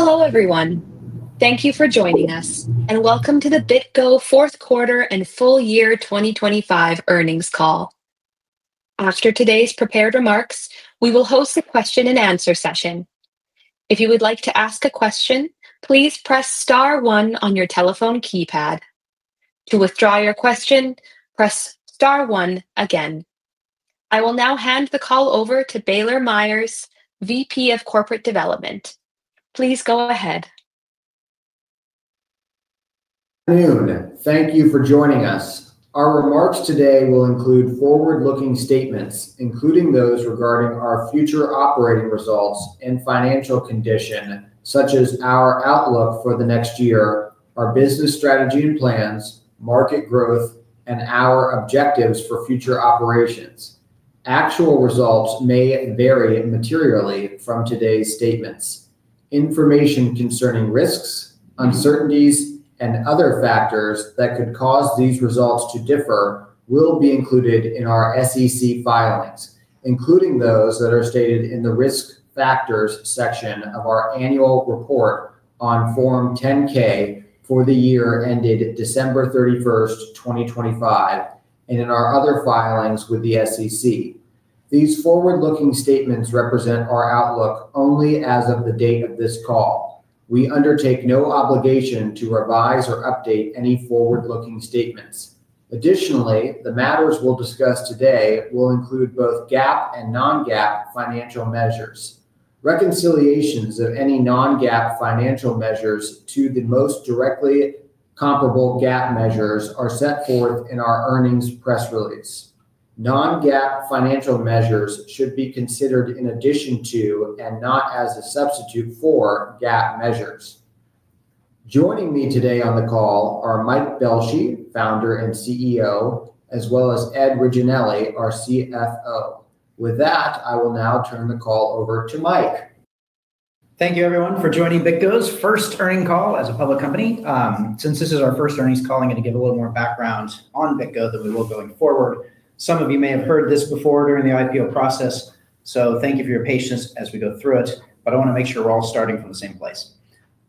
Hello, everyone. Thank you for joining us and welcome to the BitGo Fourth Quarter and Full Year 2025 Earnings Call. After today's prepared remarks, we will host a question and answer session. If you would like to ask a question, please press star one on your telephone keypad. To withdraw your question, press star one again. I will now hand the call over to Baylor Myers, VP of Corporate Development. Please go ahead. Good afternoon. Thank you for joining us. Our remarks today will include forward-looking statements, including those regarding our future operating results and financial condition, such as our outlook for the next year, our business strategy and plans, market growth, and our objectives for future operations. Actual results may vary materially from today's statements. Information concerning risks, uncertainties, and other factors that could cause these results to differ will be included in our SEC filings, including those that are stated in the Risk Factors section of our annual report on Form 10-K for the year ended December 31st, 2025, and in our other filings with the SEC. These forward-looking statements represent our outlook only as of the date of this call. We undertake no obligation to revise or update any forward-looking statements. Additionally, the matters we'll discuss today will include both GAAP and non-GAAP financial measures. Reconciliations of any non-GAAP financial measures to the most directly comparable GAAP measures are set forth in our earnings press release. Non-GAAP financial measures should be considered in addition to, and not as a substitute for, GAAP measures. Joining me today on the call are Mike Belshe, Founder and CEO, as well as Ed Reginelli, our CFO. With that, I will now turn the call over to Mike. Thank you everyone for joining BitGo's first earnings call as a public company. Since this is our first earnings call, I'm going to give a little more background on BitGo than we will going forward. Some of you may have heard this before during the IPO process, so thank you for your patience as we go through it, but I wanna make sure we're all starting from the same place.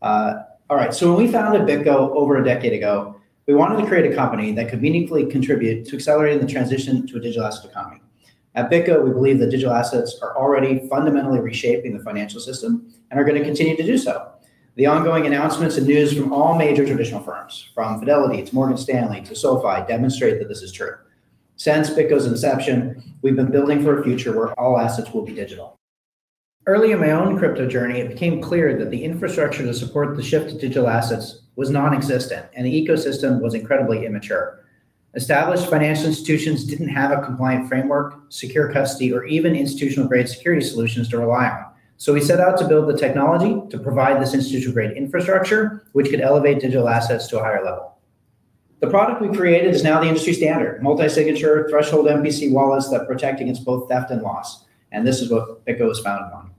When we founded BitGo over a decade ago, we wanted to create a company that could meaningfully contribute to accelerating the transition to a digital asset economy. At BitGo, we believe that digital assets are already fundamentally reshaping the financial system and are gonna continue to do so. The ongoing announcements and news from all major traditional firms, from Fidelity to Morgan Stanley to SoFi, demonstrate that this is true. Since BitGo's inception, we've been building for a future where all assets will be digital. Early in my own crypto journey, it became clear that the infrastructure to support the shift to digital assets was nonexistent, and the ecosystem was incredibly immature. Established financial institutions didn't have a compliant framework, secure custody, or even institutional-grade security solutions to rely on. We set out to build the technology to provide this institutional-grade infrastructure, which could elevate digital assets to a higher level. The product we created is now the industry standard, multi-signature threshold MPC wallets that protect against both theft and loss, and this is what BitGo was founded upon.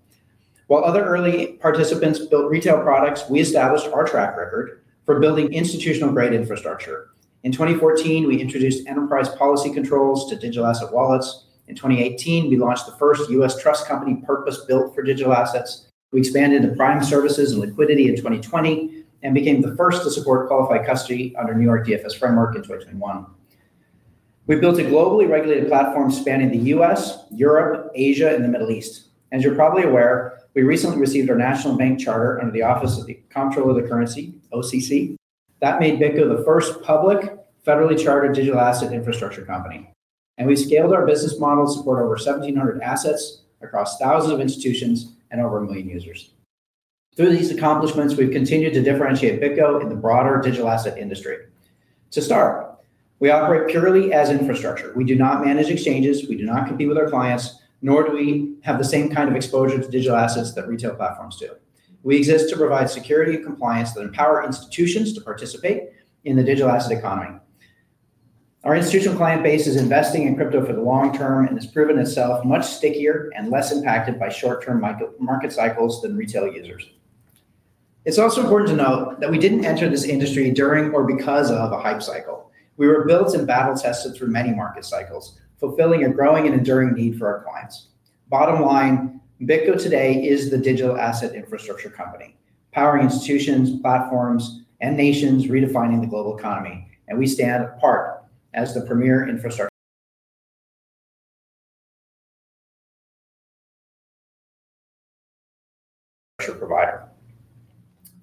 While other early participants built retail products, we established our track record for building institutional-grade infrastructure. In 2014, we introduced enterprise policy controls to digital asset wallets. In 2018, we launched the first U.S. trust company purpose-built for digital assets. We expanded to prime services and liquidity in 2020 and became the first to support qualified custody under New York DFS framework in 2021. We built a globally regulated platform spanning the U.S., Europe, Asia, and the Middle East. As you're probably aware, we recently received our national bank charter under the Office of the Comptroller of the Currency, OCC. That made BitGo the first public federally chartered digital asset infrastructure company. We've scaled our business model to support over 1,700 assets across thousands of institutions and over 1 million users. Through these accomplishments, we've continued to differentiate BitGo in the broader digital asset industry. To start, we operate purely as infrastructure. We do not manage exchanges, we do not compete with our clients, nor do we have the same kind of exposure to digital assets that retail platforms do. We exist to provide security and compliance that empower institutions to participate in the digital asset economy. Our institutional client base is investing in crypto for the long term and has proven itself much stickier and less impacted by short-term market cycles than retail users. It's also important to note that we didn't enter this industry during or because of a hype cycle. We were built and battle tested through many market cycles, fulfilling a growing and enduring need for our clients. Bottom line, BitGo today is the digital asset infrastructure company, powering institutions, platforms, and nations redefining the global economy, and we stand apart as the premier infrastructure provider.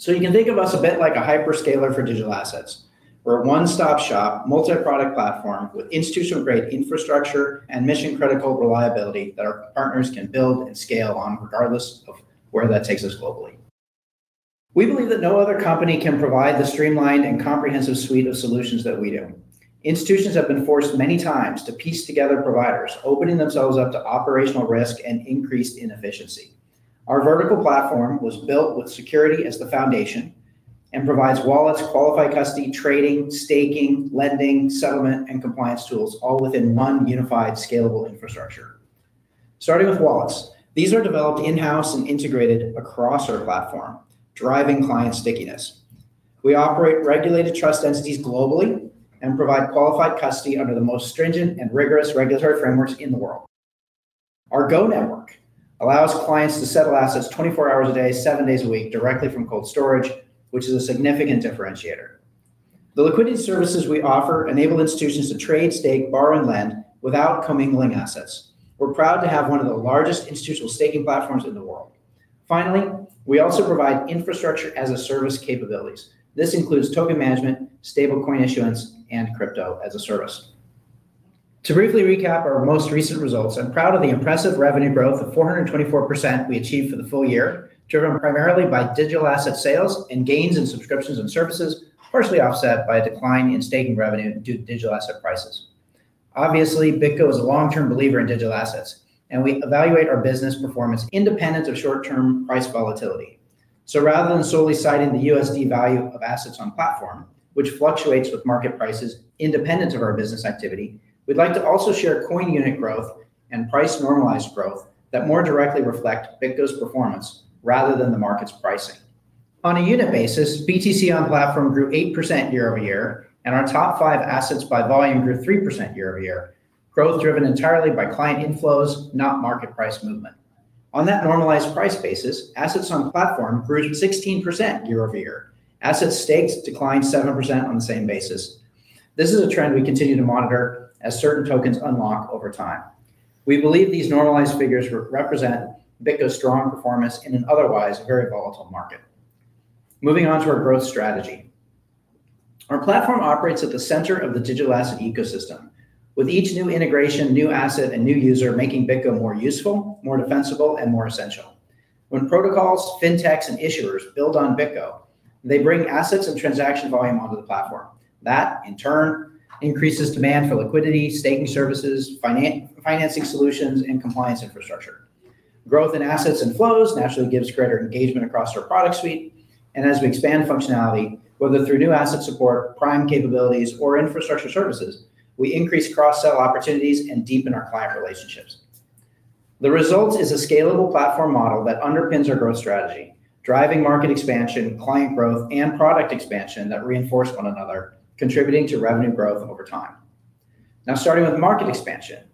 You can think of us a bit like a hyperscaler for digital assets. We're a one-stop shop, multi-product platform with institutional-grade infrastructure and mission-critical reliability that our partners can build and scale on regardless of where that takes us globally. We believe that no other company can provide the streamlined and comprehensive suite of solutions that we do. Institutions have been forced many times to piece together providers, opening themselves up to operational risk and increased inefficiency. Our vertical platform was built with security as the foundation and provides wallets, qualified custody, trading, staking, lending, settlement, and compliance tools all within one unified, scalable infrastructure. Starting with wallets, these are developed in-house and integrated across our platform, driving client stickiness. We operate regulated trust entities globally and provide qualified custody under the most stringent and rigorous regulatory frameworks in the world. Our Go Network allows clients to settle assets 24 hours a day, seven days a week directly from cold storage, which is a significant differentiator. The liquidity services we offer enable institutions to trade, stake, borrow, and lend without commingling assets. We're proud to have one of the largest institutional staking platforms in the world. Finally, we also provide infrastructure-as-a-service capabilities. This includes token management, stablecoin issuance, and Crypto-as-a-Service. To briefly recap our most recent results, I'm proud of the impressive revenue growth of 424% we achieved for the full year, driven primarily by digital asset sales and gains in subscriptions and services, partially offset by a decline in staking revenue due to digital asset prices. Obviously, BitGo is a long-term believer in digital assets, and we evaluate our business performance independent of short-term price volatility. Rather than solely citing the USD value of assets on platform, which fluctuates with market prices independent of our business activity, we'd like to also share coin unit growth and price-normalized growth that more directly reflect BitGo's performance rather than the market's pricing. On a unit basis, BTC on platform grew 8% year-over-year, and our top five assets by volume grew 3% year-over-year, growth driven entirely by client inflows, not market price movement. On that normalized price basis, assets on platform grew 16% year-over-year. Assets staked declined 7% on the same basis. This is a trend we continue to monitor as certain tokens unlock over time. We believe these normalized figures represent BitGo's strong performance in an otherwise very volatile market. Moving on to our growth strategy. Our platform operates at the center of the digital asset ecosystem with each new integration, new asset, and new user making BitGo more useful, more defensible, and more essential. When protocols, fintechs, and issuers build on BitGo, they bring assets and transaction volume onto the platform. That, in turn, increases demand for liquidity, staking services, financing solutions, and compliance infrastructure. Growth in assets and flows naturally gives greater engagement across our product suite, and as we expand functionality, whether through new asset support, prime capabilities, or infrastructure services, we increase cross-sell opportunities and deepen our client relationships. The result is a scalable platform model that underpins our growth strategy, driving market expansion, client growth, and product expansion that reinforce one another, contributing to revenue growth over time. Now starting with market expansion.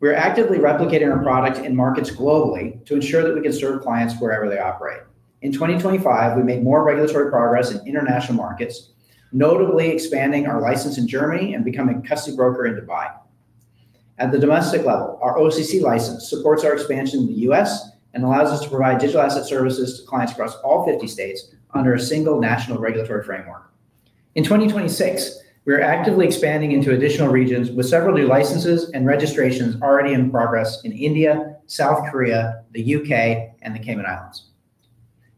We're actively replicating our product in markets globally to ensure that we can serve clients wherever they operate. In 2025, we made more regulatory progress in international markets, notably expanding our license in Germany and becoming a custody broker in Dubai. At the domestic level, our OCC license supports our expansion in the U.S. and allows us to provide digital asset services to clients across all 50 states under a single national regulatory framework. In 2026, we are actively expanding into additional regions with several new licenses and registrations already in progress in India, South Korea, the U.K., and the Cayman Islands.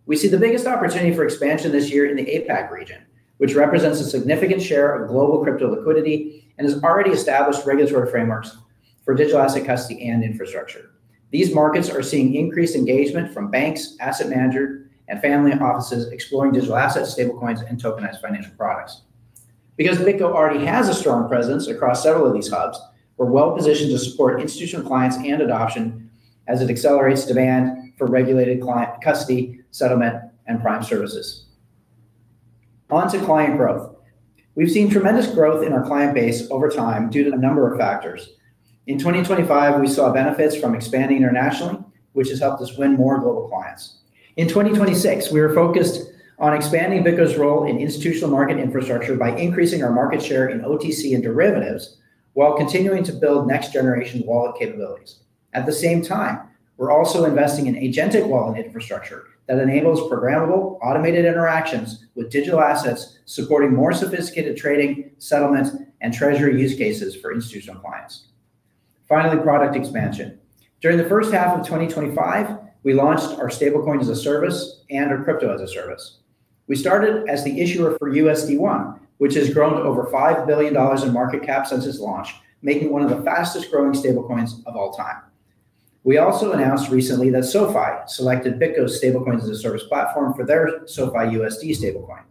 We see the biggest opportunity for expansion this year in the APAC region, which represents a significant share of global crypto liquidity and has already established regulatory frameworks for digital asset custody and infrastructure. These markets are seeing increased engagement from banks, asset manager, and family offices exploring digital assets, stablecoins, and tokenized financial products. Because BitGo already has a strong presence across several of these hubs, we're well-positioned to support institutional clients and adoption as it accelerates demand for regulated client custody, settlement, and prime services. On to client growth. We've seen tremendous growth in our client base over time due to the number of factors. In 2025, we saw benefits from expanding internationally, which has helped us win more global clients. In 2026, we are focused on expanding BitGo's role in institutional market infrastructure by increasing our market share in OTC and derivatives while continuing to build next-generation wallet capabilities. At the same time, we're also investing in agentic wallet infrastructure that enables programmable, automated interactions with digital assets supporting more sophisticated trading, settlement, and treasury use cases for institutional clients. Finally, product expansion. During the first half of 2025, we launched our Stablecoin-as-a-Service and our Crypto-as-a-Service. We started as the issuer for USD 1, which has grown to over $5 billion in market cap since its launch, making it one of the fastest-growing stablecoins of all time. We also announced recently that SoFi selected BitGo's Stablecoin-as-a-Service platform for their SoFiUSD stablecoin.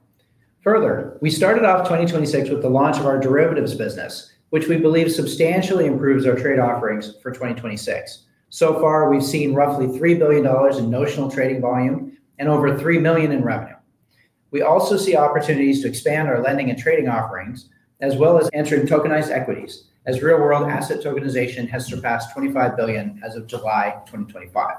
Further, we started off 2026 with the launch of our derivatives business, which we believe substantially improves our trade offerings for 2026. So far, we've seen roughly $3 billion in notional trading volume and over $3 million in revenue. We also see opportunities to expand our lending and trading offerings as well as entering tokenized equities as real-world asset tokenization has surpassed $25 billion as of July 2025.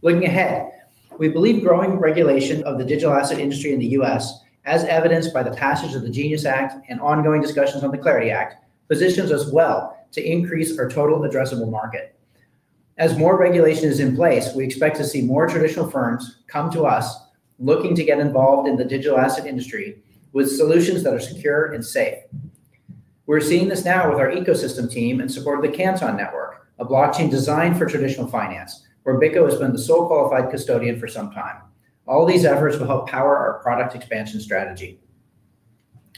Looking ahead, we believe growing regulation of the digital asset industry in the U.S., as evidenced by the passage of the GENIUS Act and ongoing discussions on the CLARITY Act, positions us well to increase our total addressable market. As more regulation is in place, we expect to see more traditional firms come to us looking to get involved in the digital asset industry with solutions that are secure and safe. We're seeing this now with our ecosystem team in support of the Canton Network, a blockchain designed for traditional finance, where BitGo has been the sole qualified custodian for some time. All these efforts will help power our product expansion strategy.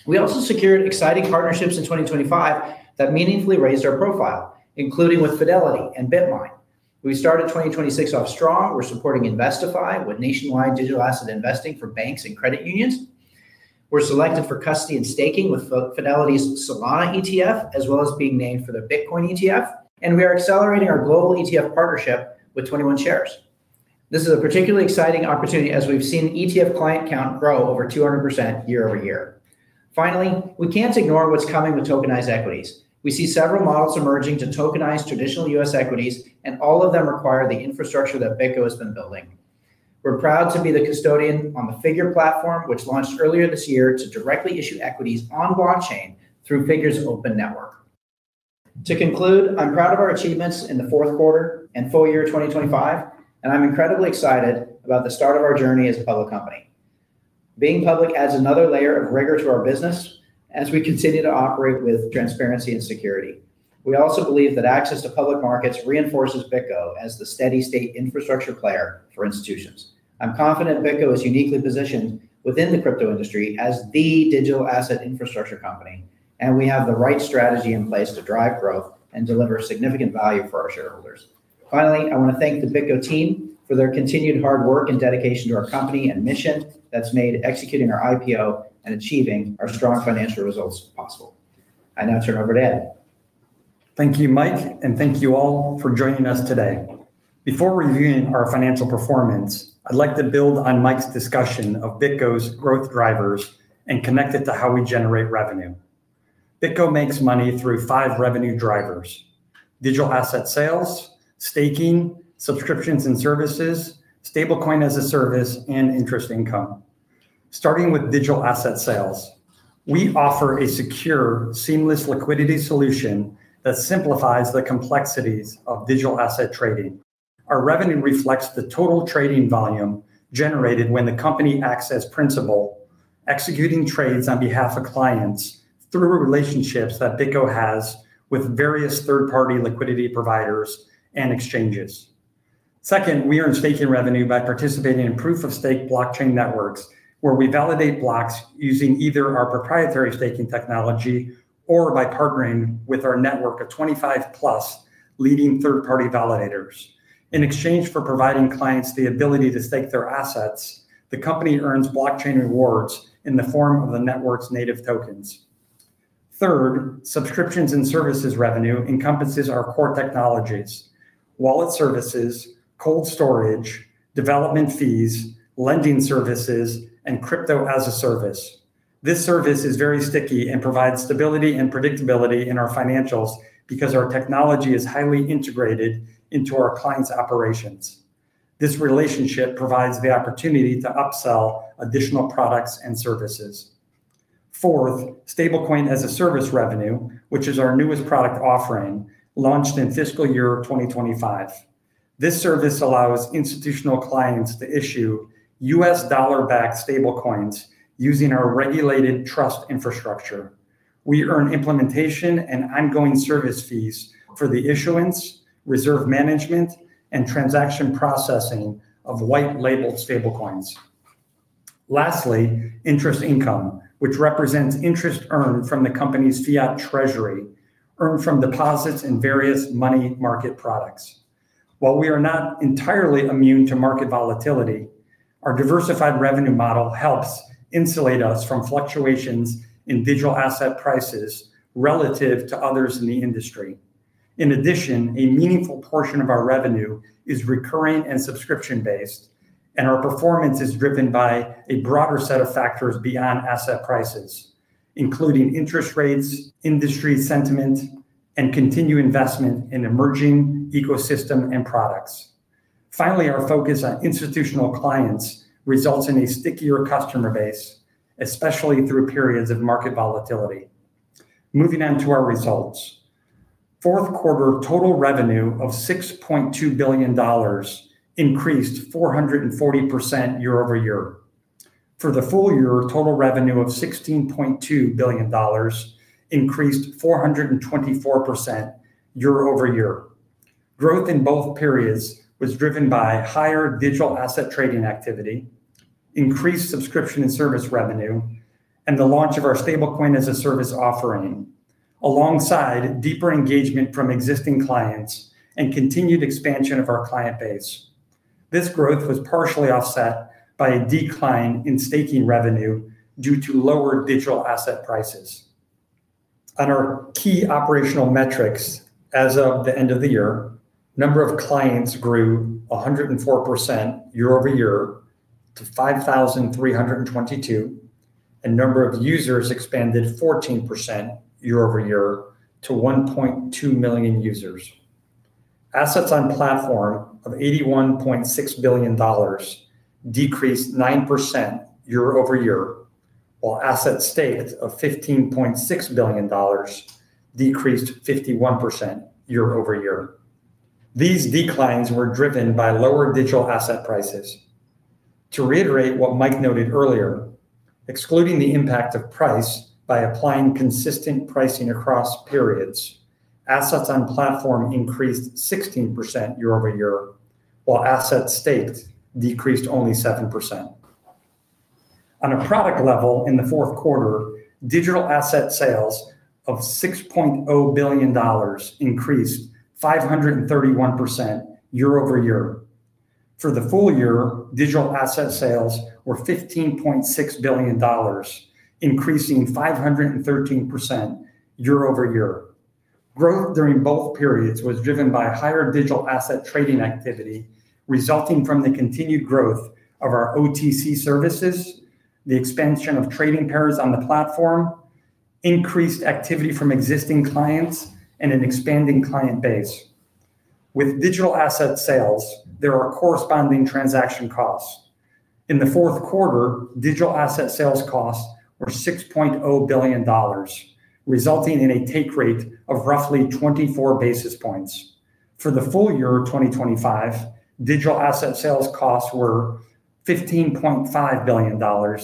We also secured exciting partnerships in 2025 that meaningfully raised our profile, including with Fidelity and Bitmain. We started 2026 off strong. We're supporting InvestiFi with nationwide digital asset investing for banks and credit unions. We're selected for custody and staking with Fidelity's Solana ETF as well as being named for their Bitcoin ETF, and we are accelerating our global ETF partnership with 21Shares. This is a particularly exciting opportunity as we've seen ETF client count grow over 200% year-over-year. Finally, we can't ignore what's coming with tokenized equities. We see several models emerging to tokenize traditional U.S. equities, and all of them require the infrastructure that BitGo has been building. We're proud to be the custodian on the Figure platform, which launched earlier this year to directly issue equities on blockchain through Figure's OPEN network. To conclude, I'm proud of our achievements in the fourth quarter and full year 2025, and I'm incredibly excited about the start of our journey as a public company. Being public adds another layer of rigor to our business as we continue to operate with transparency and security. We also believe that access to public markets reinforces BitGo as the steady state infrastructure player for institutions. I'm confident BitGo is uniquely positioned within the crypto industry as the digital asset infrastructure company, and we have the right strategy in place to drive growth and deliver significant value for our shareholders. Finally, I wanna thank the BitGo team for their continued hard work and dedication to our company and mission that's made executing our IPO and achieving our strong financial results possible. I now turn it over to Ed. Thank you, Mike, and thank you all for joining us today. Before reviewing our financial performance, I'd like to build on Mike's discussion of BitGo's growth drivers and connect it to how we generate revenue. BitGo makes money through five revenue drivers. Digital asset sales, staking, subscriptions and services, Stablecoin-as-a-Service, and interest income. Starting with digital asset sales, we offer a secure, seamless liquidity solution that simplifies the complexities of digital asset trading. Our revenue reflects the total trading volume generated when the company acts as principal, executing trades on behalf of clients through relationships that BitGo has with various third-party liquidity providers and exchanges. Second, we earn staking revenue by participating in Proof of Stake blockchain networks, where we validate blocks using either our proprietary staking technology or by partnering with our network of 25+ leading third-party validators. In exchange for providing clients the ability to stake their assets, the company earns blockchain rewards in the form of the network's native tokens. Third, subscriptions and services revenue encompasses our core technologies, wallet services, cold storage, development fees, lending services, and Crypto-as-a-Service. This service is very sticky and provides stability and predictability in our financials because our technology is highly integrated into our clients' operations. This relationship provides the opportunity to upsell additional products and services. Fourth, Stablecoin-as-a-Service revenue, which is our newest product offering, launched in fiscal year 2025. This service allows institutional clients to issue U.S. dollar-backed stablecoins using our regulated trust infrastructure. We earn implementation and ongoing service fees for the issuance, reserve management, and transaction processing of white-labeled stablecoins. Lastly, interest income, which represents interest earned from the company's fiat treasury, earned from deposits in various money market products. While we are not entirely immune to market volatility, our diversified revenue model helps insulate us from fluctuations in digital asset prices relative to others in the industry. In addition, a meaningful portion of our revenue is recurring and subscription-based, and our performance is driven by a broader set of factors beyond asset prices, including interest rates, industry sentiment, and continued investment in emerging ecosystem and products. Finally, our focus on institutional clients results in a stickier customer base, especially through periods of market volatility. Moving on to our results. Fourth quarter total revenue of $6.2 billion increased 440% year-over-year. For the full year, total revenue of $16.2 billion increased 424% year-over-year. Growth in both periods was driven by higher digital asset trading activity, increased subscription and service revenue, and the launch of our Stablecoin-as-a-Service offering, alongside deeper engagement from existing clients and continued expansion of our client base. This growth was partially offset by a decline in staking revenue due to lower digital asset prices. On our key operational metrics as of the end of the year, number of clients grew 104% year-over-year to 5,322, and number of users expanded 14% year-over-year to 1.2 million users. Assets on platform of $81.6 billion decreased 9% year-over-year, while assets staked of $15.6 billion decreased 51% year-over-year. These declines were driven by lower digital asset prices. To reiterate what Mike noted earlier, excluding the impact of price by applying consistent pricing across periods, assets on platform increased 16% year-over-year, while assets staked decreased only 7%. On a product level in the fourth quarter, digital asset sales of $6.0 billion increased 531% year-over-year. For the full year, digital asset sales were $15.6 billion, increasing 513% year-over-year. Growth during both periods was driven by higher digital asset trading activity resulting from the continued growth of our OTC services, the expansion of trading pairs on the platform, increased activity from existing clients, and an expanding client base. With digital asset sales, there are corresponding transaction costs. In the fourth quarter, digital asset sales costs were $6.0 billion, resulting in a take rate of roughly 24 basis points. For the full year 2025, digital asset sales costs were $15.5 billion,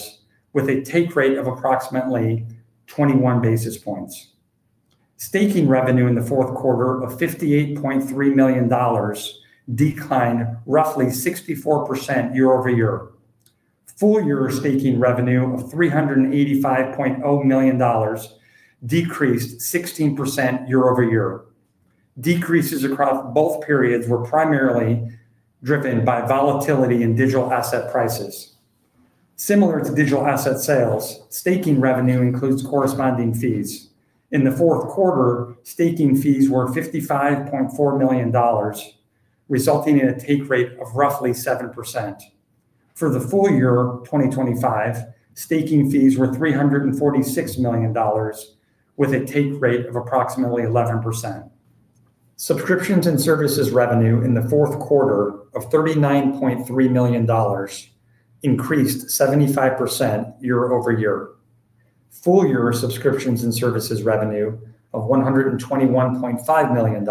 with a take rate of approximately 21 basis points. Staking revenue in the fourth quarter of $58.3 million declined roughly 64% year-over-year. Full year staking revenue of $385.0 million decreased 16% year-over-year. Decreases across both periods were primarily driven by volatility in digital asset prices. Similar to digital asset sales, staking revenue includes corresponding fees. In the fourth quarter, staking fees were $55.4 million, resulting in a take rate of roughly 7%. For the full year 2025, staking fees were $346 million, with a take rate of approximately 11%. Subscriptions and services revenue in the fourth quarter of $39.3 million increased 75% year-over-year. Full year subscriptions and services revenue of $121.5 million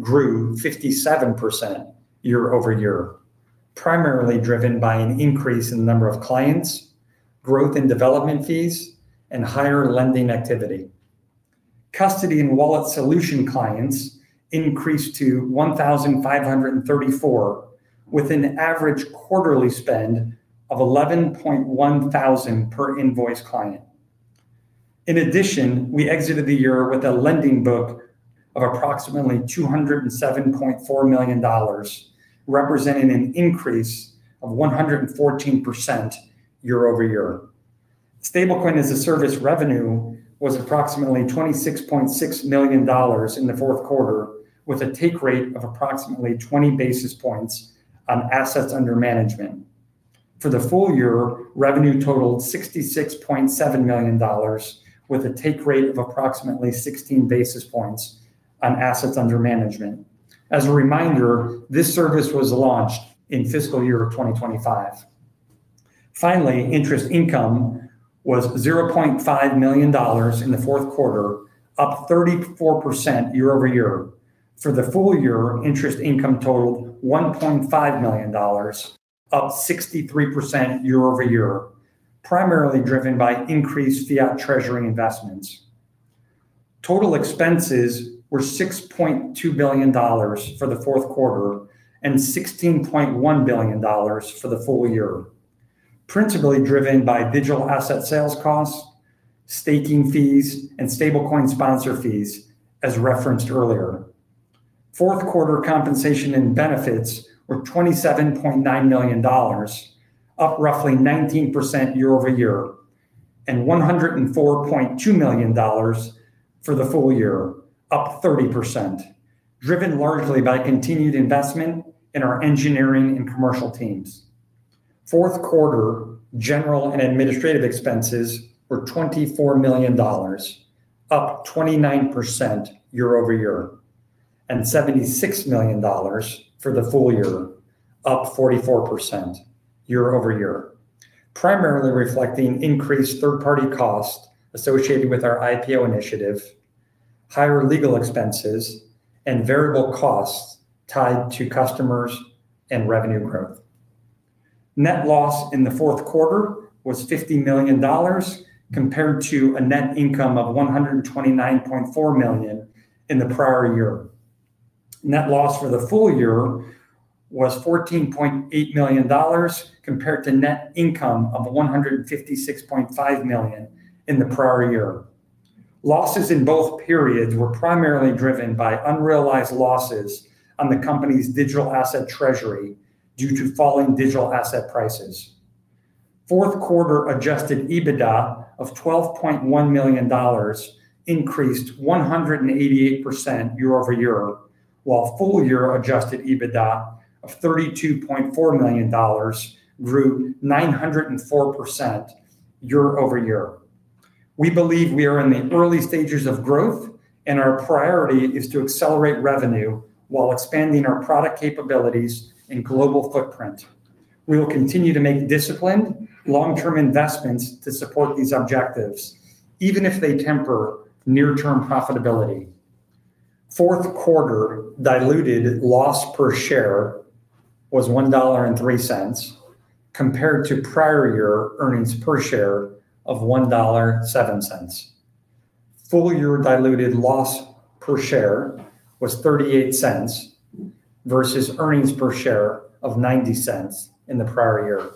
grew 57% year-over-year, primarily driven by an increase in the number of clients, growth in development fees, and higher lending activity. Custody and wallet solution clients increased to 1,534, with an average quarterly spend of $11.1 thousand per invoiced client. In addition, we exited the year with a lending book of approximately $207.4 million, representing an increase of 114% year-over-year. Stablecoin-as-a-Service revenue was approximately $26.6 million in the fourth quarter, with a take rate of approximately 20 basis points on assets under management. For the full year, revenue totaled $66.7 million, with a take rate of approximately 16 basis points on assets under management. As a reminder, this service was launched in fiscal year 2025. Finally, interest income was $0.5 million in the fourth quarter, up 34% year-over-year. For the full year, interest income totaled $1.5 million, up 63% year-over-year, primarily driven by increased fiat treasury investments. Total expenses were $6.2 billion for the fourth quarter and $16.1 billion for the full year, principally driven by digital asset sales costs, staking fees, and stablecoin sponsor fees, as referenced earlier. Fourth quarter compensation and benefits were $27.9 million, up roughly 19% year-over-year, and $104.2 million for the full year, up 30%, driven largely by continued investment in our engineering and commercial teams. Fourth quarter general and administrative expenses were $24 million, up 29% year-over-year, and $76 million for the full year, up 44% year-over-year, primarily reflecting increased third-party costs associated with our IPO initiative, higher legal expenses, and variable costs tied to customers and revenue growth. Net loss in the fourth quarter was $50 million compared to a net income of $129.4 million in the prior year. Net loss for the full year was $14.8 million compared to net income of $156.5 million in the prior year. Losses in both periods were primarily driven by unrealized losses on the company's digital asset treasury due to falling digital asset prices. Fourth quarter adjusted EBITDA of $12.1 million increased 188% year-over-year, while full year adjusted EBITDA of $32.4 million grew 904% year-over-year. We believe we are in the early stages of growth, and our priority is to accelerate revenue while expanding our product capabilities and global footprint. We will continue to make disciplined, long-term investments to support these objectives, even if they temper near-term profitability. Fourth quarter diluted loss per share was $1.03 compared to prior year earnings per share of $1.07. Full year diluted loss per share was $0.38 versus earnings per share of $0.90 in the prior year.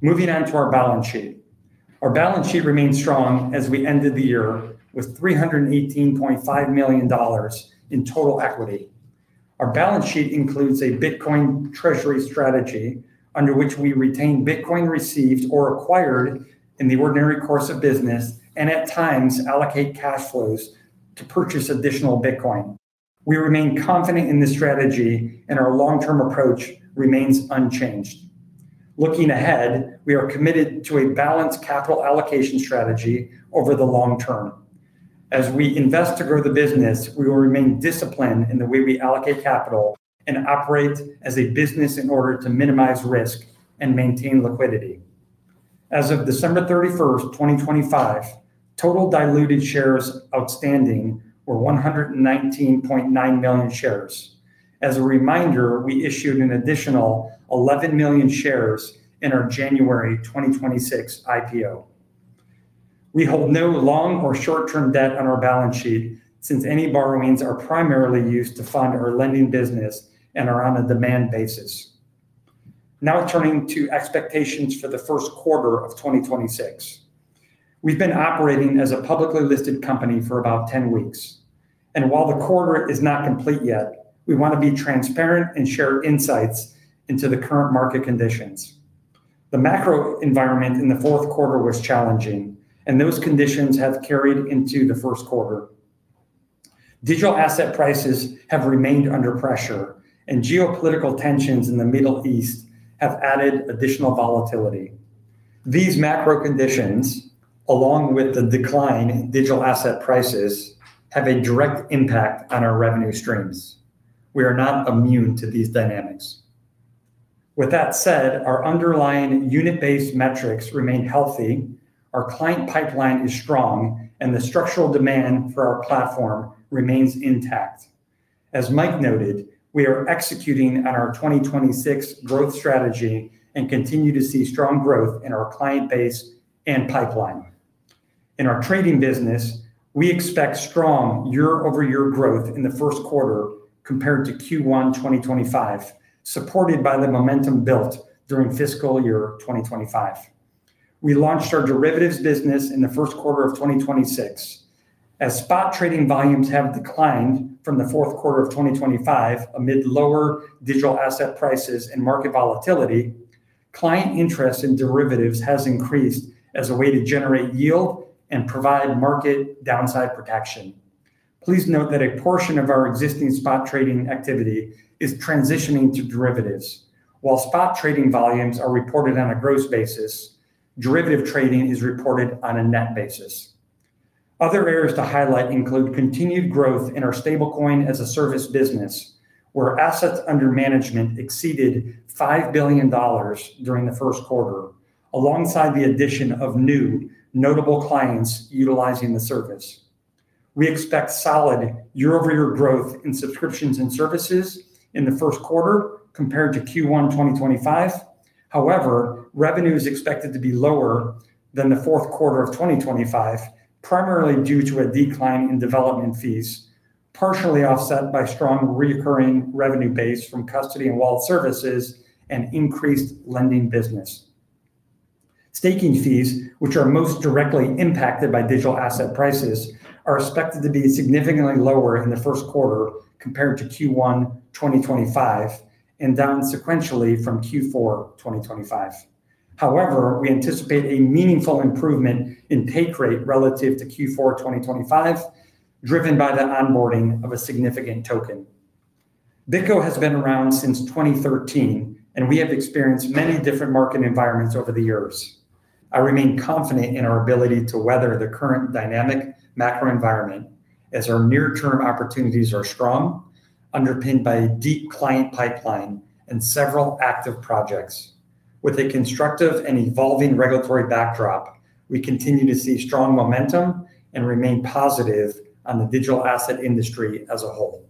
Moving on to our balance sheet. Our balance sheet remains strong as we ended the year with $318.5 million in total equity. Our balance sheet includes a Bitcoin treasury strategy under which we retain Bitcoin received or acquired in the ordinary course of business, and at times allocate cash flows to purchase additional Bitcoin. We remain confident in this strategy, and our long-term approach remains unchanged. Looking ahead, we are committed to a balanced capital allocation strategy over the long term. As we invest to grow the business, we will remain disciplined in the way we allocate capital and operates as a business in order to minimize risk and maintain liquidity. As of December 31st, 2025, total diluted shares outstanding were 119.9 million shares. As a reminder, we issued an additional 11 million shares in our January 2026 IPO. We hold no long or short-term debt on our balance sheet, since any borrowings are primarily used to fund our lending business and are on a demand basis. Now turning to expectations for the first quarter of 2026. We've been operating as a publicly listed company for about 10 weeks, and while the quarter is not complete yet, we wanna be transparent and share insights into the current market conditions. The macro environment in the fourth quarter was challenging, and those conditions have carried into the first quarter. Digital asset prices have remained under pressure, and geopolitical tensions in the Middle East have added additional volatility. These macro conditions, along with the decline in digital asset prices, have a direct impact on our revenue streams. We are not immune to these dynamics. With that said, our underlying unit-based metrics remain healthy, our client pipeline is strong, and the structural demand for our platform remains intact. As Mike noted, we are executing on our 2026 growth strategy and continue to see strong growth in our client base and pipeline. In our trading business, we expect strong year-over-year growth in the first quarter compared to Q1 2025, supported by the momentum built during fiscal year 2025. We launched our derivatives business in the first quarter of 2026. As spot trading volumes have declined from the fourth quarter of 2025 amid lower digital asset prices and market volatility, client interest in derivatives has increased as a way to generate yield and provide market downside protection. Please note that a portion of our existing spot trading activity is transitioning to derivatives. While spot trading volumes are reported on a gross basis, derivative trading is reported on a net basis. Other areas to highlight include continued growth in our Stablecoin-as-a-Service business, where assets under management exceeded $5 billion during the first quarter, alongside the addition of new notable clients utilizing the service. We expect solid year-over-year growth in subscriptions and services in the first quarter compared to Q1 2025. However, revenue is expected to be lower than the fourth quarter of 2025, primarily due to a decline in development fees, partially offset by strong recurring revenue base from custody and wallet services and increased lending business. Staking fees, which are most directly impacted by digital asset prices, are expected to be significantly lower in the first quarter compared to Q1 2025 and down sequentially from Q4 2025. However, we anticipate a meaningful improvement in take rate relative to Q4 2025, driven by the onboarding of a significant token. BitGo has been around since 2013, and we have experienced many different market environments over the years. I remain confident in our ability to weather the current dynamic macro environment as our near-term opportunities are strong, underpinned by a deep client pipeline and several active projects. With a constructive and evolving regulatory backdrop, we continue to see strong momentum and remain positive on the digital asset industry as a whole.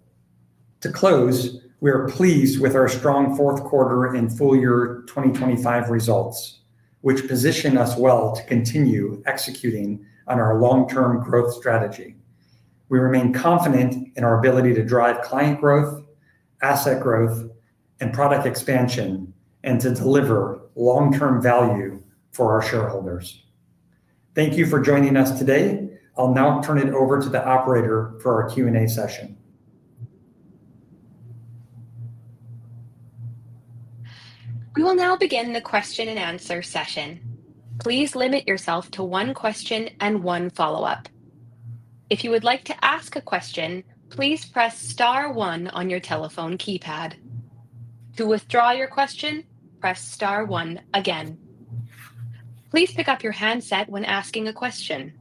To close, we are pleased with our strong fourth quarter and full year 2025 results, which position us well to continue executing on our long-term growth strategy. We remain confident in our ability to drive client growth, asset growth, and product expansion, and to deliver long-term value for our shareholders. Thank you for joining us today. I'll now turn it over to the operator for our Q&A session. We will now begin the question-and-answer session. Please limit yourself to one question and one follow-up. If you would like to ask a question, please press star one on your telephone keypad. To withdraw your question, press star one again. Please pick up your handset when asking a question.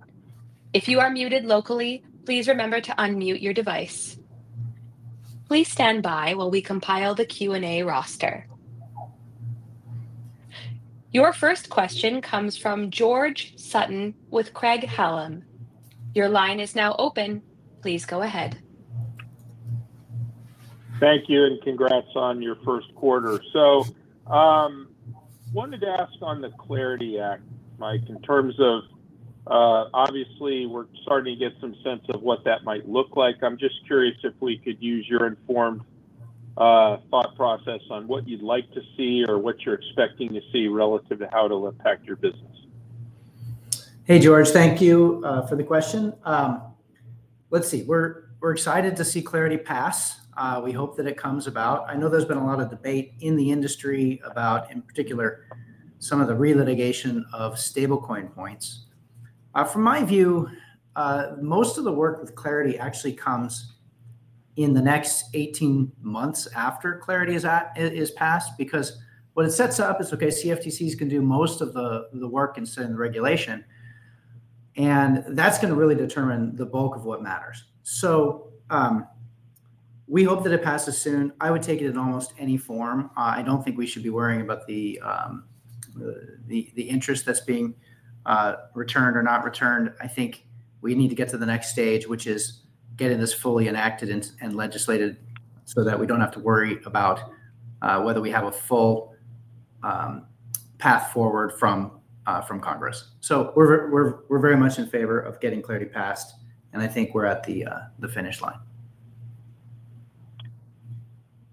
If you are muted locally, please remember to unmute your device. Please stand by while we compile the Q&A roster. Your first question comes from George Sutton with Craig-Hallum. Your line is now open. Please go ahead. Thank you, and congrats on your first quarter. I wanted to ask on the CLARITY Act, Mike, in terms of, obviously we're starting to get some sense of what that might look like. I'm just curious if we could use your informed thought process on what you'd like to see or what you're expecting to see relative to how it'll impact your business. Hey, George. Thank you for the question. Let's see. We're excited to see CLARITY pass. We hope that it comes about. I know there's been a lot of debate in the industry about, in particular, some of the re-litigation of stablecoin points. From my view, most of the work with CLARITY actually comes in the next 18 months after CLARITY is passed, because what it sets up is, okay, CFTC can do most of the work instead of the regulation, and that's gonna really determine the bulk of what matters. We hope that it passes soon. I would take it in almost any form. I don't think we should be worrying about the interest that's being returned or not returned. I think we need to get to the next stage, which is getting this fully enacted and legislated so that we don't have to worry about whether we have a full path forward from Congress. We're very much in favor of getting CLARITY passed, and I think we're at the finish line.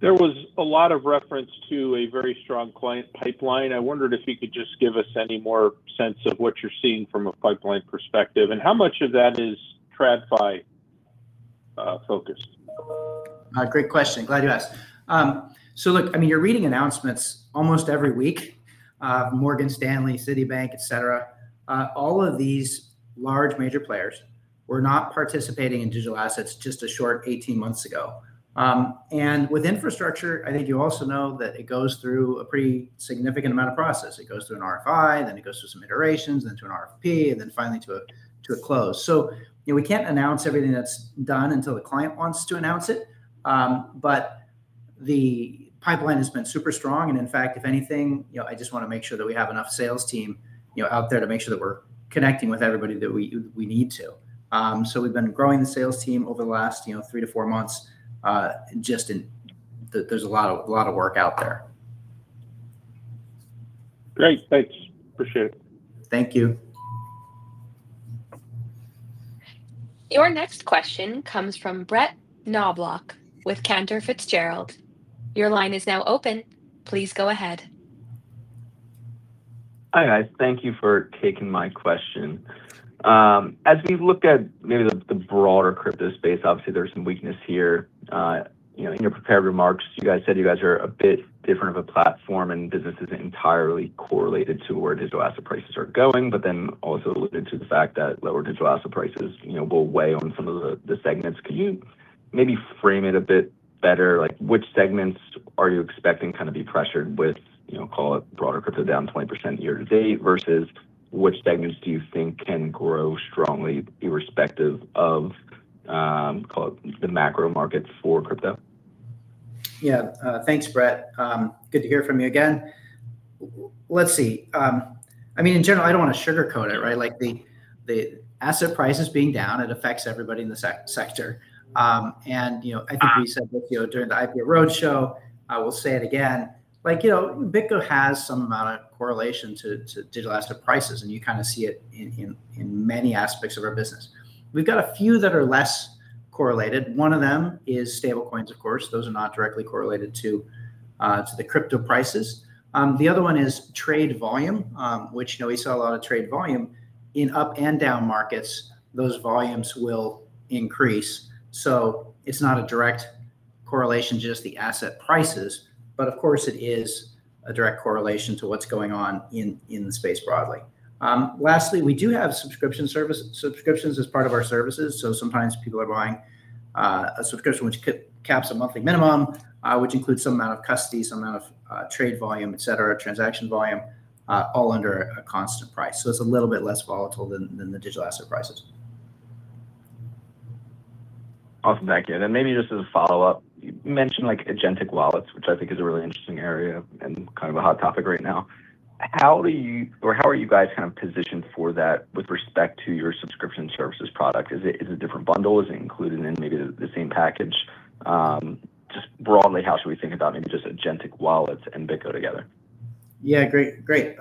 There was a lot of reference to a very strong client pipeline. I wondered if you could just give us any more sense of what you're seeing from a pipeline perspective, and how much of that is TradFi, focused? Great question. Glad you asked. Look, I mean, you're reading announcements almost every week, Morgan Stanley, Citibank, et cetera. All of these large major players were not participating in digital assets just a short 18 months ago. With infrastructure, I think you also know that it goes through a pretty significant amount of process. It goes through an RFI, then it goes through some iterations, then to an RFP, and then finally to a close. You know, we can't announce everything that's done until the client wants to announce it. The pipeline has been super strong. In fact, if anything, you know, I just wanna make sure that we have enough sales team, you know, out there to make sure that we're connecting with everybody that we need to. We've been growing the sales team over the last, you know, three-four months. There's a lot of work out there. Great. Thanks. Appreciate it. Thank you. Your next question comes from Brett Knoblauch with Cantor Fitzgerald. Your line is now open. Please go ahead. Hi, guys. Thank you for taking my question. As we look at maybe the broader crypto space, obviously there's some weakness here. You know, in your prepared remarks, you guys said you are a bit different of a platform and business isn't entirely correlated to where digital asset prices are going, but then also alluded to the fact that lower digital asset prices, you know, will weigh on some of the segments. Could you maybe frame it a bit better? Like, which segments are you expecting kind of be pressured with, you know, call it broader crypto down 20% year to date, versus which segments do you think can grow strongly irrespective of, call it the macro markets for crypto? Yeah. Thanks, Brett. Good to hear from you again. Let's see. I mean, in general, I don't wanna sugarcoat it, right? Like, the asset prices being down, it affects everybody in the sector. You know, I think we said, like, you know, during the IPO roadshow, I will say it again, like, you know, BitGo has some amount of correlation to digital asset prices, and you kind of see it in many aspects of our business. We've got a few that are less correlated. One of them is stablecoins, of course. Those are not directly correlated to the crypto prices. The other one is trade volume, which, you know, we saw a lot of trade volume in up and down markets. Those volumes will increase. It's not a direct correlation to just the asset prices, but of course it is a direct correlation to what's going on in the space broadly. Lastly, we do have subscription service, subscriptions as part of our services, so sometimes people are buying a subscription which caps a monthly minimum, which includes some amount of custody, some amount of trade volume, et cetera, transaction volume, all under a constant price. It's a little bit less volatile than the digital asset prices. Awesome. Thank you. Then maybe just as a follow-up, you mentioned like agentic wallets, which I think is a really interesting area and kind of a hot topic right now. How do you or how are you guys kind of positioned for that with respect to your subscription services product? Is it a different bundle? Is it included in maybe the same package? Just broadly, how should we think about maybe just agentic wallets and BitGo together? Yeah. Great.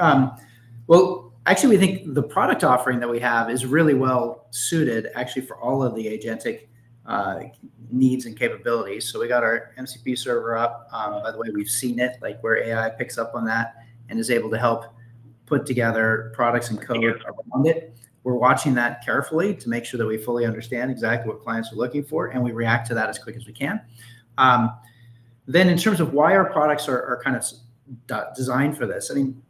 Well, actually, we think the product offering that we have is really well suited actually for all of the agentic needs and capabilities. We got our MCP Server up, by the way we've seen it, like where AI picks up on that and is able to help put together products and code on it. We're watching that carefully to make sure that we fully understand exactly what clients are looking for, and we react to that as quick as we can. In terms of why our products are kind of designed for this, I mean,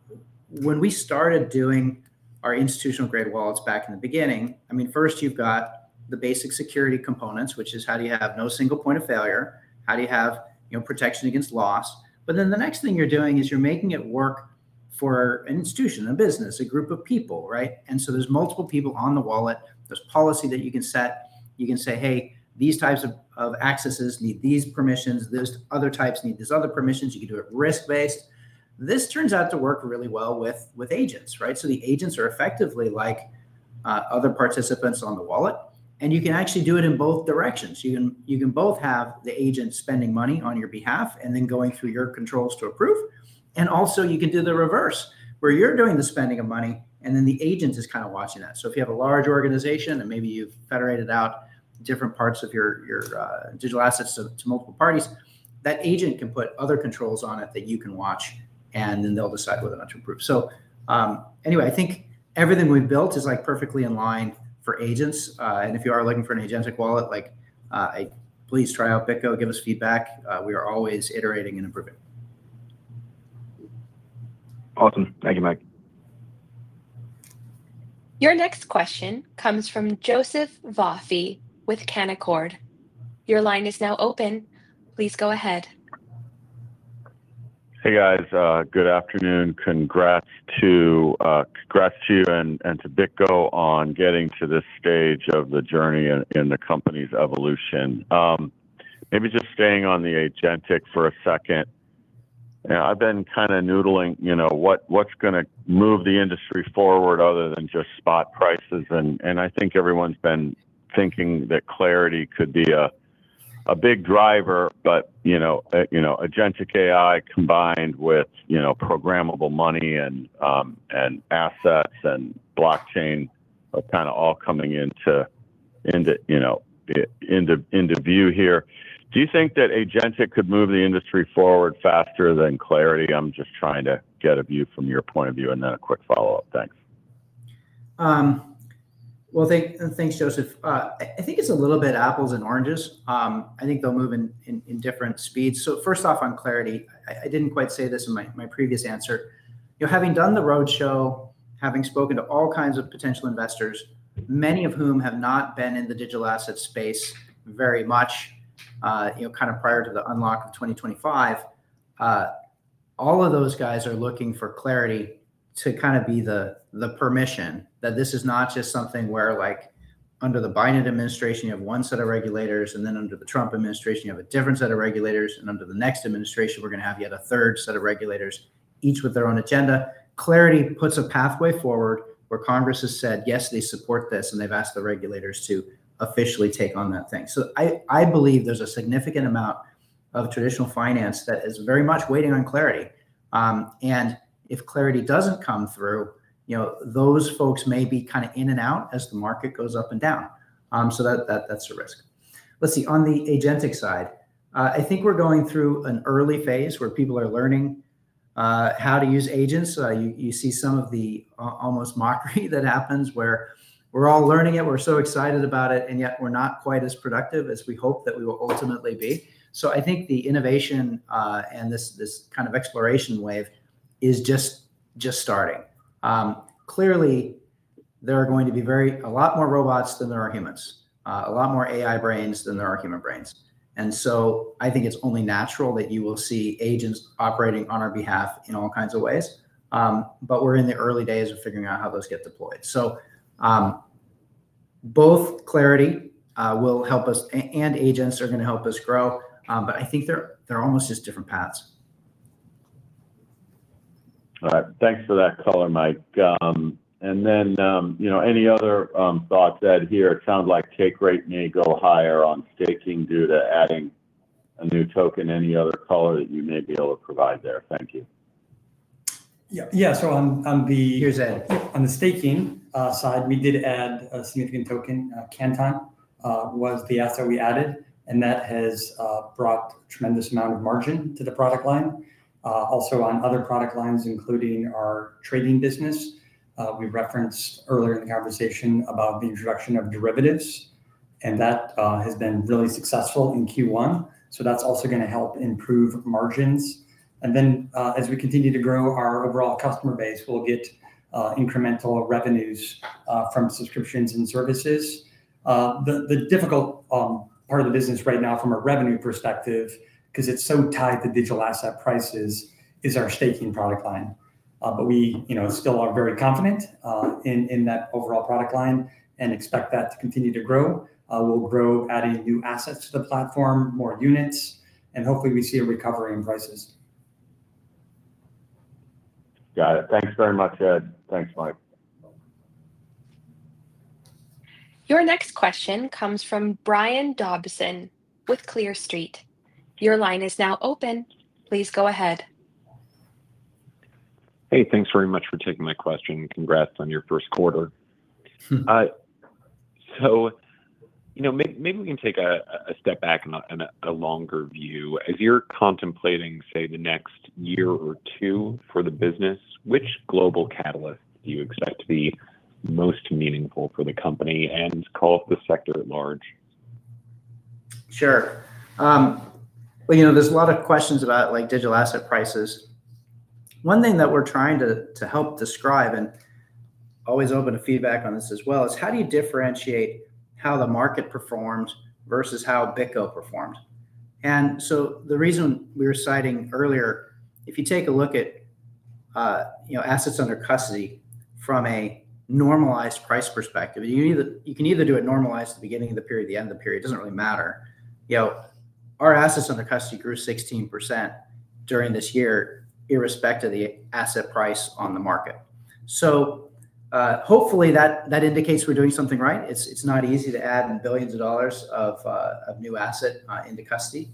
when we started doing our institutional-grade wallets back in the beginning, I mean, first you've got the basic security components, which is how do you have no single point of failure? How do you have, you know, protection against loss? The next thing you're doing is you're making it work for an institution, a business, a group of people, right? There's multiple people on the wallet. There's policy that you can set. You can say, "Hey, these types of accesses need these permissions. These other types need these other permissions." You can do it risk-based. This turns out to work really well with agents, right? The agents are effectively like other participants on the wallet, and you can actually do it in both directions. You can both have the agent spending money on your behalf and then going through your controls to approve, and also you can do the reverse, where you're doing the spending of money, and then the agent is kind of watching that. If you have a large organization and maybe you've federated out different parts of your digital assets to multiple parties, that agent can put other controls on it that you can watch, and then they'll decide whether or not to approve. I think everything we've built is like perfectly in line for agents. If you are looking for an agentic wallet, please try out BitGo, give us feedback. We are always iterating and improving. Awesome. Thank you, Mike. Your next question comes from Joseph Vafi with Canaccord. Your line is now open. Please go ahead. Hey, guys. Good afternoon. Congrats to you and to BitGo on getting to this stage of the journey in the company's evolution. Maybe just staying on the agentic for a second. You know, I've been kinda noodling, you know, what's gonna move the industry forward other than just spot prices and I think everyone's been thinking that CLARITY could be a big driver. You know, agentic AI combined with, you know, programmable money and assets and blockchain are kinda all coming into view here. Do you think that agentic could move the industry forward faster than CLARITY? I'm just trying to get a view from your point of view. A quick follow-up. Thanks. Well, thanks, Joseph. I think it's a little bit apples and oranges. I think they'll move in different speeds. First off, on CLARITY, I didn't quite say this in my previous answer. You know, having done the roadshow, having spoken to all kinds of potential investors, many of whom have not been in the digital asset space very much, you know, kind of prior to the unlock of 2025, all of those guys are looking for CLARITY to kind of be the permission. That this is not just something where, like, under the Biden administration, you have one set of regulators, and then under the Trump administration, you have a different set of regulators, and under the next administration, we're gonna have yet a third set of regulators, each with their own agenda. CLARITY puts a pathway forward where Congress has said, yes, they support this, and they've asked the regulators to officially take on that thing. I believe there's a significant amount of traditional finance that is very much waiting on CLARITY. And if CLARITY doesn't come through, you know, those folks may be kind of in and out as the market goes up and down. So that that's a risk. Let's see. On the agentic side, I think we're going through an early phase where people are learning how to use agents. You see some of the almost mockery that happens where we're all learning it, we're so excited about it, and yet we're not quite as productive as we hope that we will ultimately be. I think the innovation and this kind of exploration wave is just starting. Clearly, there are going to be very a lot more robots than there are humans. A lot more AI brains than there are human brains. I think it's only natural that you will see agents operating on our behalf in all kinds of ways. We're in the early days of figuring out how those get deployed. Both CLARITY will help us, and agents are gonna help us grow. I think they're almost just different paths. All right. Thanks for that color, Mike. You know, any other thoughts, Ed, here? It sounds like take rate may go higher on staking due to adding a new token. Any other color that you may be able to provide there? Thank you. Yeah. On the. Here's Ed. On the staking side, we did add a significant token. Canton was the asset we added, and that has brought a tremendous amount of margin to the product line. Also on other product lines, including our trading business, we referenced earlier in the conversation about the introduction of derivatives, and that has been really successful in Q1. That's also gonna help improve margins. Then, as we continue to grow our overall customer base, we'll get incremental revenues from subscriptions and services. The difficult part of the business right now from a revenue perspective, 'cause it's so tied to digital asset prices, is our staking product line. We, you know, still are very confident in that overall product line and expect that to continue to grow. We'll grow adding new assets to the platform, more units, and hopefully we see a recovery in prices. Got it. Thanks very much, Ed. Thanks, Mike. Your next question comes from Brian Dobson with Clear Street. Your line is now open. Please go ahead. Hey, thanks very much for taking my question, and congrats on your first quarter. You know, maybe we can take a step back and a longer view. As you're contemplating, say, the next year or two for the business, which global catalyst do you expect to be most meaningful for the company and across the sector at large? Sure. Well, you know, there's a lot of questions about, like, digital asset prices. One thing that we're trying to help describe, and always open to feedback on this as well, is how do you differentiate how the market performs versus how BitGo performs? The reason we were citing earlier, if you take a look at, you know, assets under custody from a normalized price perspective, you can either do it normalized at the beginning of the period or the end of the period. It doesn't really matter. You know, our assets under custody grew 16% during this year, irrespective of the asset price on the market. Hopefully that indicates we're doing something right. It's not easy to add billions of dollars of new asset into custody.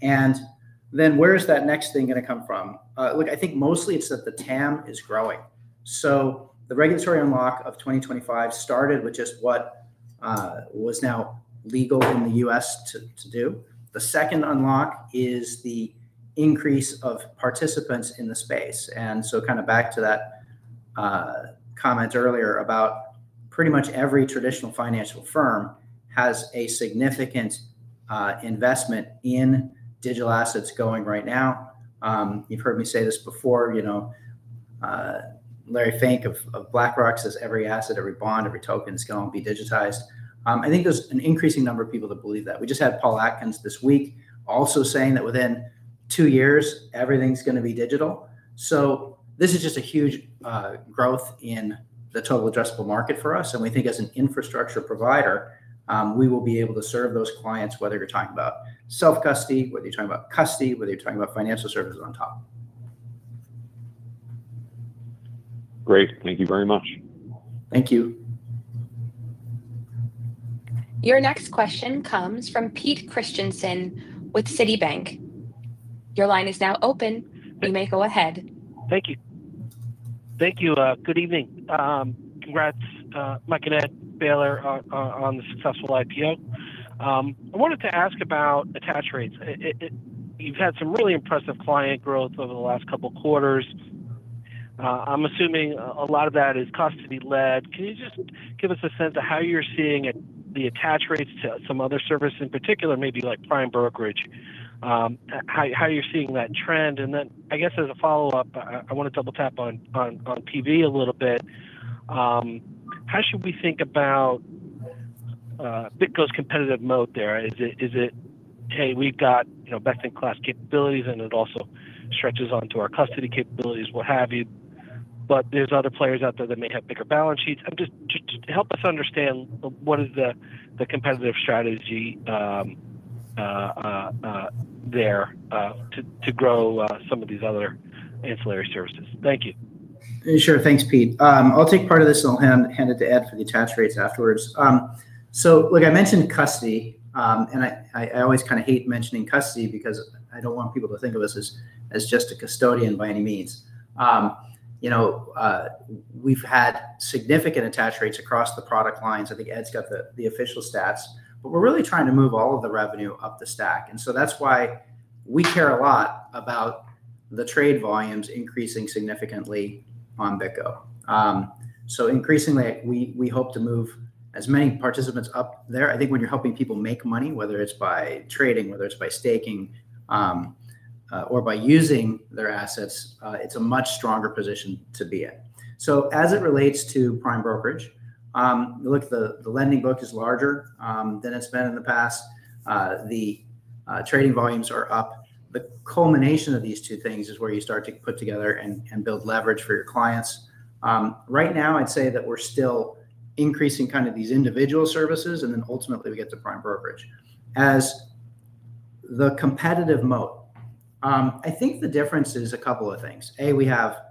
Then where is that next thing gonna come from? Look, I think mostly it's that the TAM is growing. So the regulatory unlock of 2025 started with just what was now legal in the U.S. to do. The second unlock is the increase of participants in the space. Kind of back to that comment earlier about pretty much every traditional financial firm has a significant investment in digital assets going right now. You've heard me say this before, you know, Larry Fink of BlackRock says every asset, every bond, every token's gonna be digitized. I think there's an increasing number of people that believe that. We just had Paul Atkins this week also saying that within two years everything's gonna be digital. This is just a huge growth in the total addressable market for us, and we think as an infrastructure provider, we will be able to serve those clients, whether you're talking about self-custody, whether you're talking about custody, whether you're talking about financial services on top. Great. Thank you very much. Thank you. Your next question comes from Pete Christiansen with Citibank. Your line is now open. You may go ahead. Thank you. Good evening. Congrats, Mike and Ed, Baylor, on the successful IPO. I wanted to ask about attach rates. You've had some really impressive client growth over the last couple quarters. I'm assuming a lot of that is custody-led. Can you just give us a sense of how you're seeing the attach rates to some other service in particular, maybe like prime brokerage, how you're seeing that trend? I guess as a follow-up, I wanna double tap on P/B a little bit. How should we think about BitGo's competitive moat there? Is it, "Hey, we've got, you know, best in class capabilities and it also stretches onto our custody capabilities," what have you, but there's other players out there that may have bigger balance sheets? Just help us understand what is the competitive strategy there to grow some of these other ancillary services. Thank you. Yeah, sure. Thanks, Pete. I'll take part of this and I'll hand it to Ed for the attach rates afterwards. Look, I mentioned custody, and I always kind of hate mentioning custody because I don't want people to think of us as just a custodian by any means. You know, we've had significant attach rates across the product lines. I think Ed's got the official stats, but we're really trying to move all of the revenue up the stack, and so that's why we care a lot about the trade volumes increasing significantly on BitGo. Increasingly we hope to move as many participants up there. I think when you're helping people make money, whether it's by trading, whether it's by staking, or by using their assets, it's a much stronger position to be in. As it relates to prime brokerage, look, the lending book is larger than it's been in the past. The trading volumes are up. The culmination of these two things is where you start to put together and build leverage for your clients. Right now I'd say that we're still increasing kind of these individual services and then ultimately we get to prime brokerage. As the competitive mode, I think the difference is a couple of things. A, we have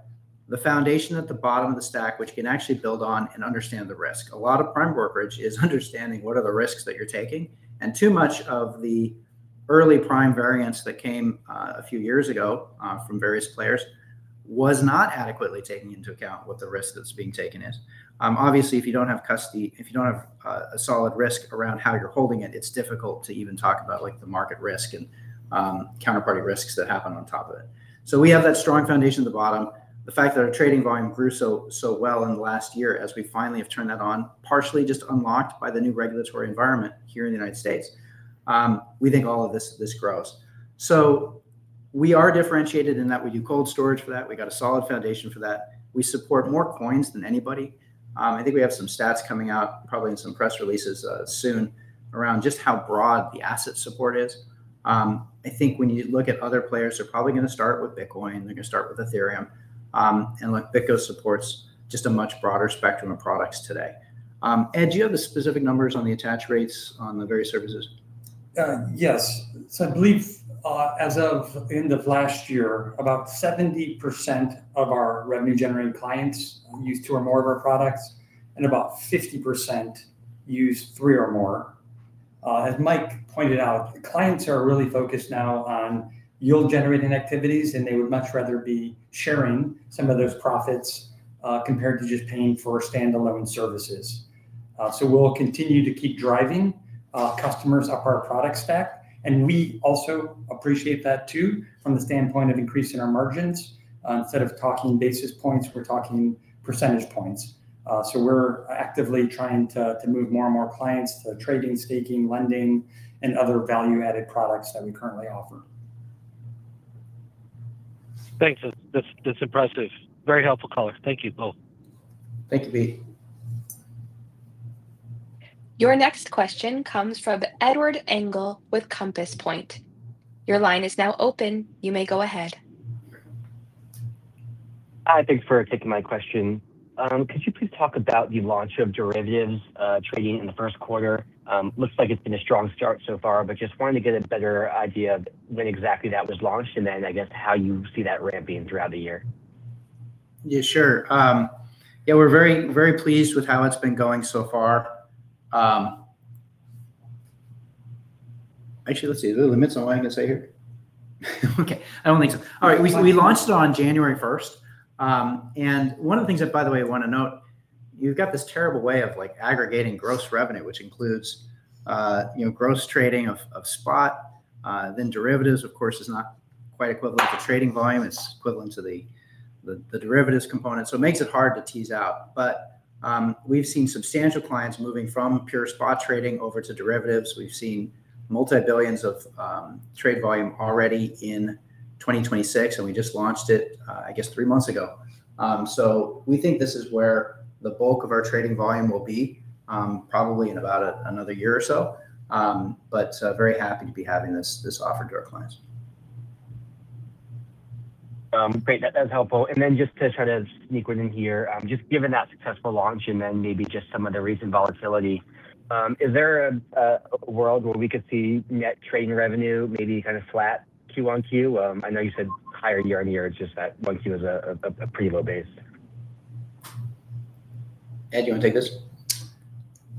the foundation at the bottom of the stack, which can actually build on and understand the risk. A lot of prime brokerage is understanding what are the risks that you're taking, and too much of the early prime variants that came, a few years ago, from various players was not adequately taking into account what the risk that's being taken is. Obviously, if you don't have custody, if you don't have, a solid risk around how you're holding it's difficult to even talk about like the market risk and, counterparty risks that happen on top of it. We have that strong foundation at the bottom. The fact that our trading volume grew so well in the last year as we finally have turned that on, partially just unlocked by the new regulatory environment here in the United States, we think all of this grows. We are differentiated in that we do cold storage for that. We got a solid foundation for that. We support more coins than anybody. I think we have some stats coming out probably in some press releases soon around just how broad the asset support is. I think when you look at other players, they're probably gonna start with Bitcoin, they're gonna start with Ethereum, and look, BitGo supports just a much broader spectrum of products today. Ed, do you have the specific numbers on the attach rates on the various services? I believe, as of end of last year, about 70% of our revenue generating clients used two or more of our products, and about 50% used three or more. As Mike pointed out, clients are really focused now on yield generating activities, and they would much rather be sharing some of those profits, compared to just paying for standalone services. We'll continue to keep driving customers up our product stack, and we also appreciate that too from the standpoint of increasing our margins. Instead of talking basis points, we're talking percentage points. We're actively trying to move more and more clients to trading, staking, lending and other value-added products that we currently offer. Thanks. That's impressive. Very helpful color. Thank you both. Thank you, Pete. Your next question comes from Edward Engel with Compass Point. Your line is now open. You may go ahead. Hi. Thanks for taking my question. Could you please talk about the launch of derivatives trading in the first quarter? Looks like it's been a strong start so far, but just wanted to get a better idea of when exactly that was launched and then I guess how you see that ramping throughout the year. Yeah, sure. Yeah, we're very, very pleased with how it's been going so far. Actually, let's see. Are there limits on what I can say here? Okay, I don't think so. All right. We launched it on January 1st, and one of the things that, by the way, I wanna note. You've got this terrible way of, like, aggregating gross revenue, which includes, you know, gross trading of spot. Then derivatives, of course, is not quite equivalent to trading volume. It's equivalent to the derivatives component, so it makes it hard to tease out. We've seen substantial clients moving from pure spot trading over to derivatives. We've seen multi-billions of trade volume already in 2026, and we just launched it, I guess three months ago. We think this is where the bulk of our trading volume will be, probably in about another year or so. Very happy to be having this offered to our clients. Great. That's helpful. Then just to try to sneak one in here, just given that successful launch and then maybe just some of the recent volatility, is there a world where we could see net trading revenue maybe kind of flat Q-on-Q? I know you said higher year-on-year, it's just that one Q is a pretty low base. Ed, do you wanna take this?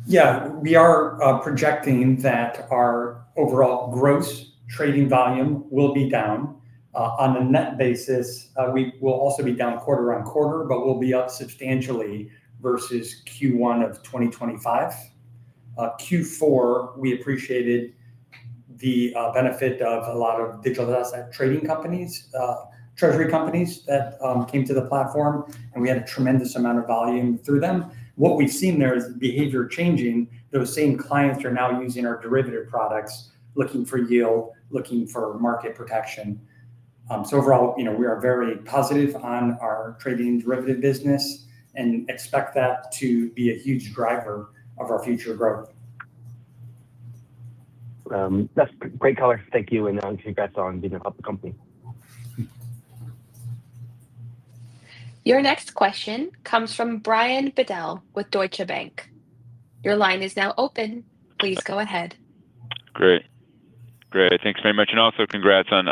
Yeah. We are projecting that our overall gross trading volume will be down on a net basis. We will also be down quarter-on-quarter, but we'll be up substantially versus Q1 of 2025. Q4, we appreciated the benefit of a lot of digital asset trading companies, treasury companies that came to the platform, and we had a tremendous amount of volume through them. What we've seen there is behavior changing. Those same clients are now using our derivative products, looking for yield, looking for market protection. Overall, you know, we are very positive on our trading derivative business and expect that to be a huge driver of our future growth. That's great color. Thank you, and congrats on being a public company. Your next question comes from Brian Bedell with Deutsche Bank. Your line is now open. Please go ahead. Great. Thanks very much, and also congrats on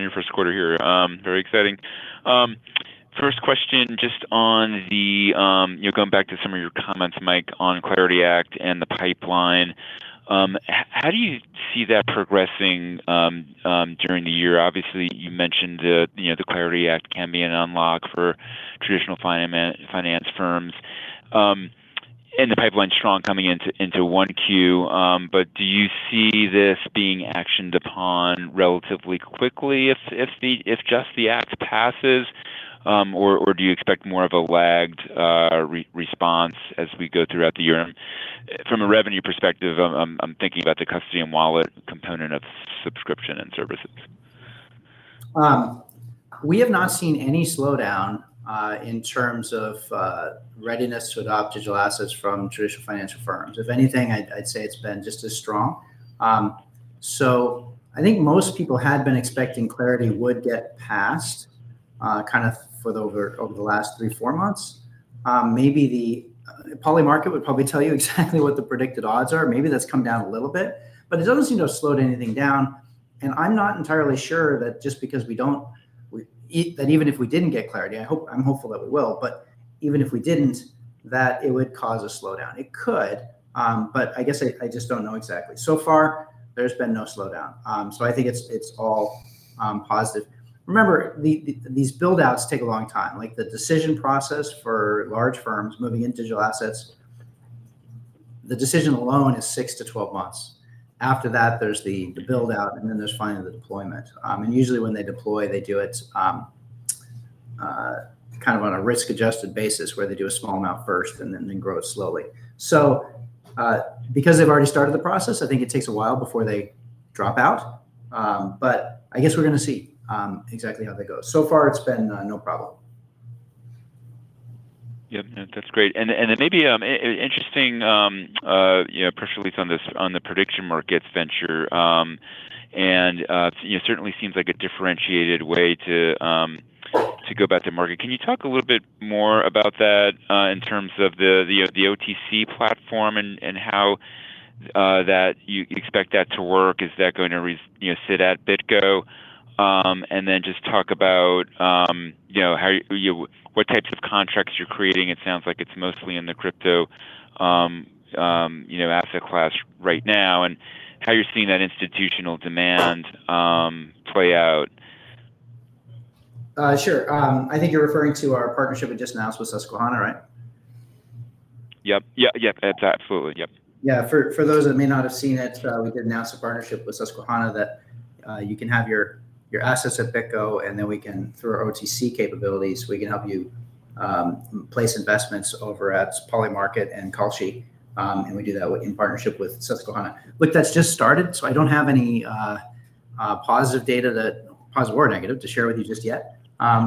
your first quarter here. Very exciting. First question, just on the, you know, going back to some of your comments, Mike, on CLARITY Act and the pipeline, how do you see that progressing during the year? Obviously, you mentioned the, you know, the CLARITY Act can be an unlock for traditional finance firms, and the pipeline's strong coming into Q1, but do you see this being actioned upon relatively quickly if just the act passes, or do you expect more of a lagged response as we go throughout the year? From a revenue perspective, I'm thinking about the custody and wallet component of subscription and services. We have not seen any slowdown in terms of readiness to adopt digital assets from traditional financial firms. If anything, I'd say it's been just as strong. I think most people had been expecting CLARITY would get passed kind of for over the last three, four months. Maybe the Polymarket would probably tell you exactly what the predicted odds are. Maybe that's come down a little bit, but it doesn't seem to have slowed anything down, and I'm not entirely sure that just because we don't that even if we didn't get CLARITY, I'm hopeful that we will, but even if we didn't, that it would cause a slowdown. It could, but I guess I just don't know exactly. So far there's been no slowdown. I think it's all positive. Remember, these build-outs take a long time. Like, the decision process for large firms moving into digital assets, the decision alone is six-12 months. After that, there's the build-out, and then there's finally the deployment. Usually when they deploy, they do it kind of on a risk-adjusted basis, where they do a small amount first and then grow it slowly. Because they've already started the process, I think it takes a while before they drop out. I guess we're gonna see exactly how that goes. So far, it's been no problem. Yeah. No, that's great. Then maybe interesting, you know, press release on this, on the prediction markets venture, and you know, certainly seems like a differentiated way to go about the market. Can you talk a little bit more about that in terms of the OTC platform and how that you expect that to work? Is that going to sit at BitGo? Then just talk about, you know, how you what types of contracts you're creating. It sounds like it's mostly in the crypto, you know, asset class right now and how you're seeing that institutional demand play out. Sure. I think you're referring to our partnership we just announced with Susquehanna, right? Yep. Yeah, yep. Absolutely. Yep. Yeah. For those that may not have seen it, we did announce a partnership with Susquehanna that you can have your assets at BitGo, and then we can, through our OTC capabilities, help you place investments over at Polymarket and Kalshi, and we do that in partnership with Susquehanna. Look, that's just started, so I don't have any positive data, positive or negative, to share with you just yet.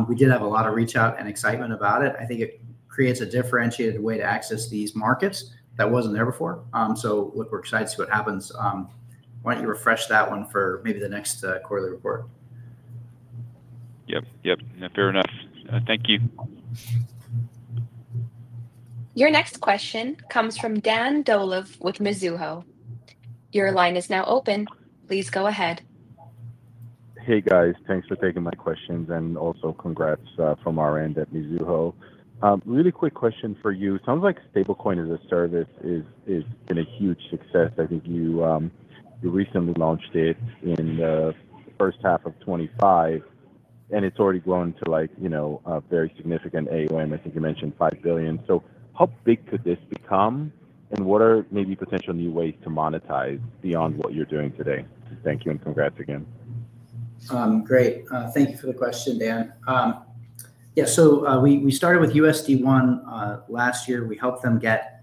We did have a lot of outreach and excitement about it. I think it creates a differentiated way to access these markets that wasn't there before. Look, we're excited to see what happens. Why don't you refresh that one for maybe the next quarterly report? Yep. Yep. No, fair enough. Thank you. Your next question comes from Dan Dolev with Mizuho. Your line is now open. Please go ahead. Hey, guys. Thanks for taking my questions, and also congrats from our end at Mizuho. Really quick question for you. Sounds like Stablecoin-as-a-Service has been a huge success. I think you recently launched it in the first half of 2025. It's already grown to like, you know, a very significant AUM. I think you mentioned $5 billion. So how big could this become? And what are maybe potential new ways to monetize beyond what you're doing today? Thank you, and congrats again. Great. Thank you for the question, Dan. We started with USD 1 last year. We helped them get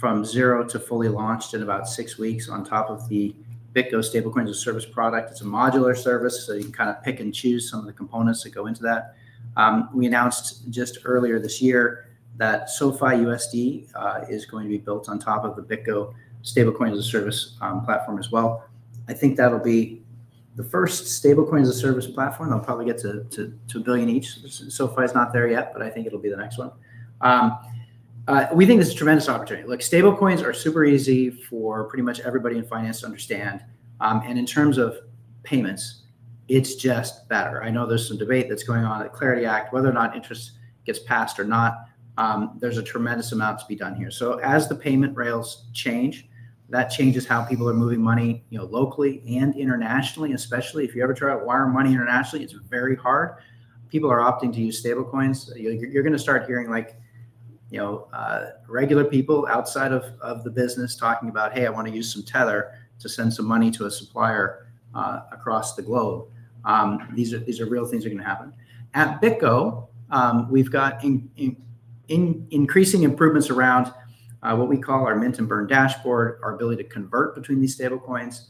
from zero to fully launched in about six weeks on top of the BitGo Stablecoin-as-a-Service product. It's a modular service, so you can kind of pick and choose some of the components that go into that. We announced just earlier this year that SoFiUSD is going to be built on top of the BitGo Stablecoin-as-a-Service platform as well. I think that'll be the first Stablecoin-as-a-Service platform. They'll probably get to $1 billion each. SoFi is not there yet, but I think it'll be the next one. We think this is a tremendous opportunity. Like, stablecoins are super easy for pretty much everybody in finance to understand. In terms of payments, it's just better. I know there's some debate that's going on at CLARITY Act, whether or not it gets passed or not. There's a tremendous amount to be done here. As the payment rails change, that changes how people are moving money, you know, locally and internationally, especially. If you ever try to wire money internationally, it's very hard. People are opting to use stablecoins. You're gonna start hearing like, you know, regular people outside of the business talking about, "Hey, I want to use some Tether to send some money to a supplier across the globe." These are real things that are gonna happen. At BitGo, we've got increasing improvements around what we call our mint and burn dashboard, our ability to convert between these stablecoins.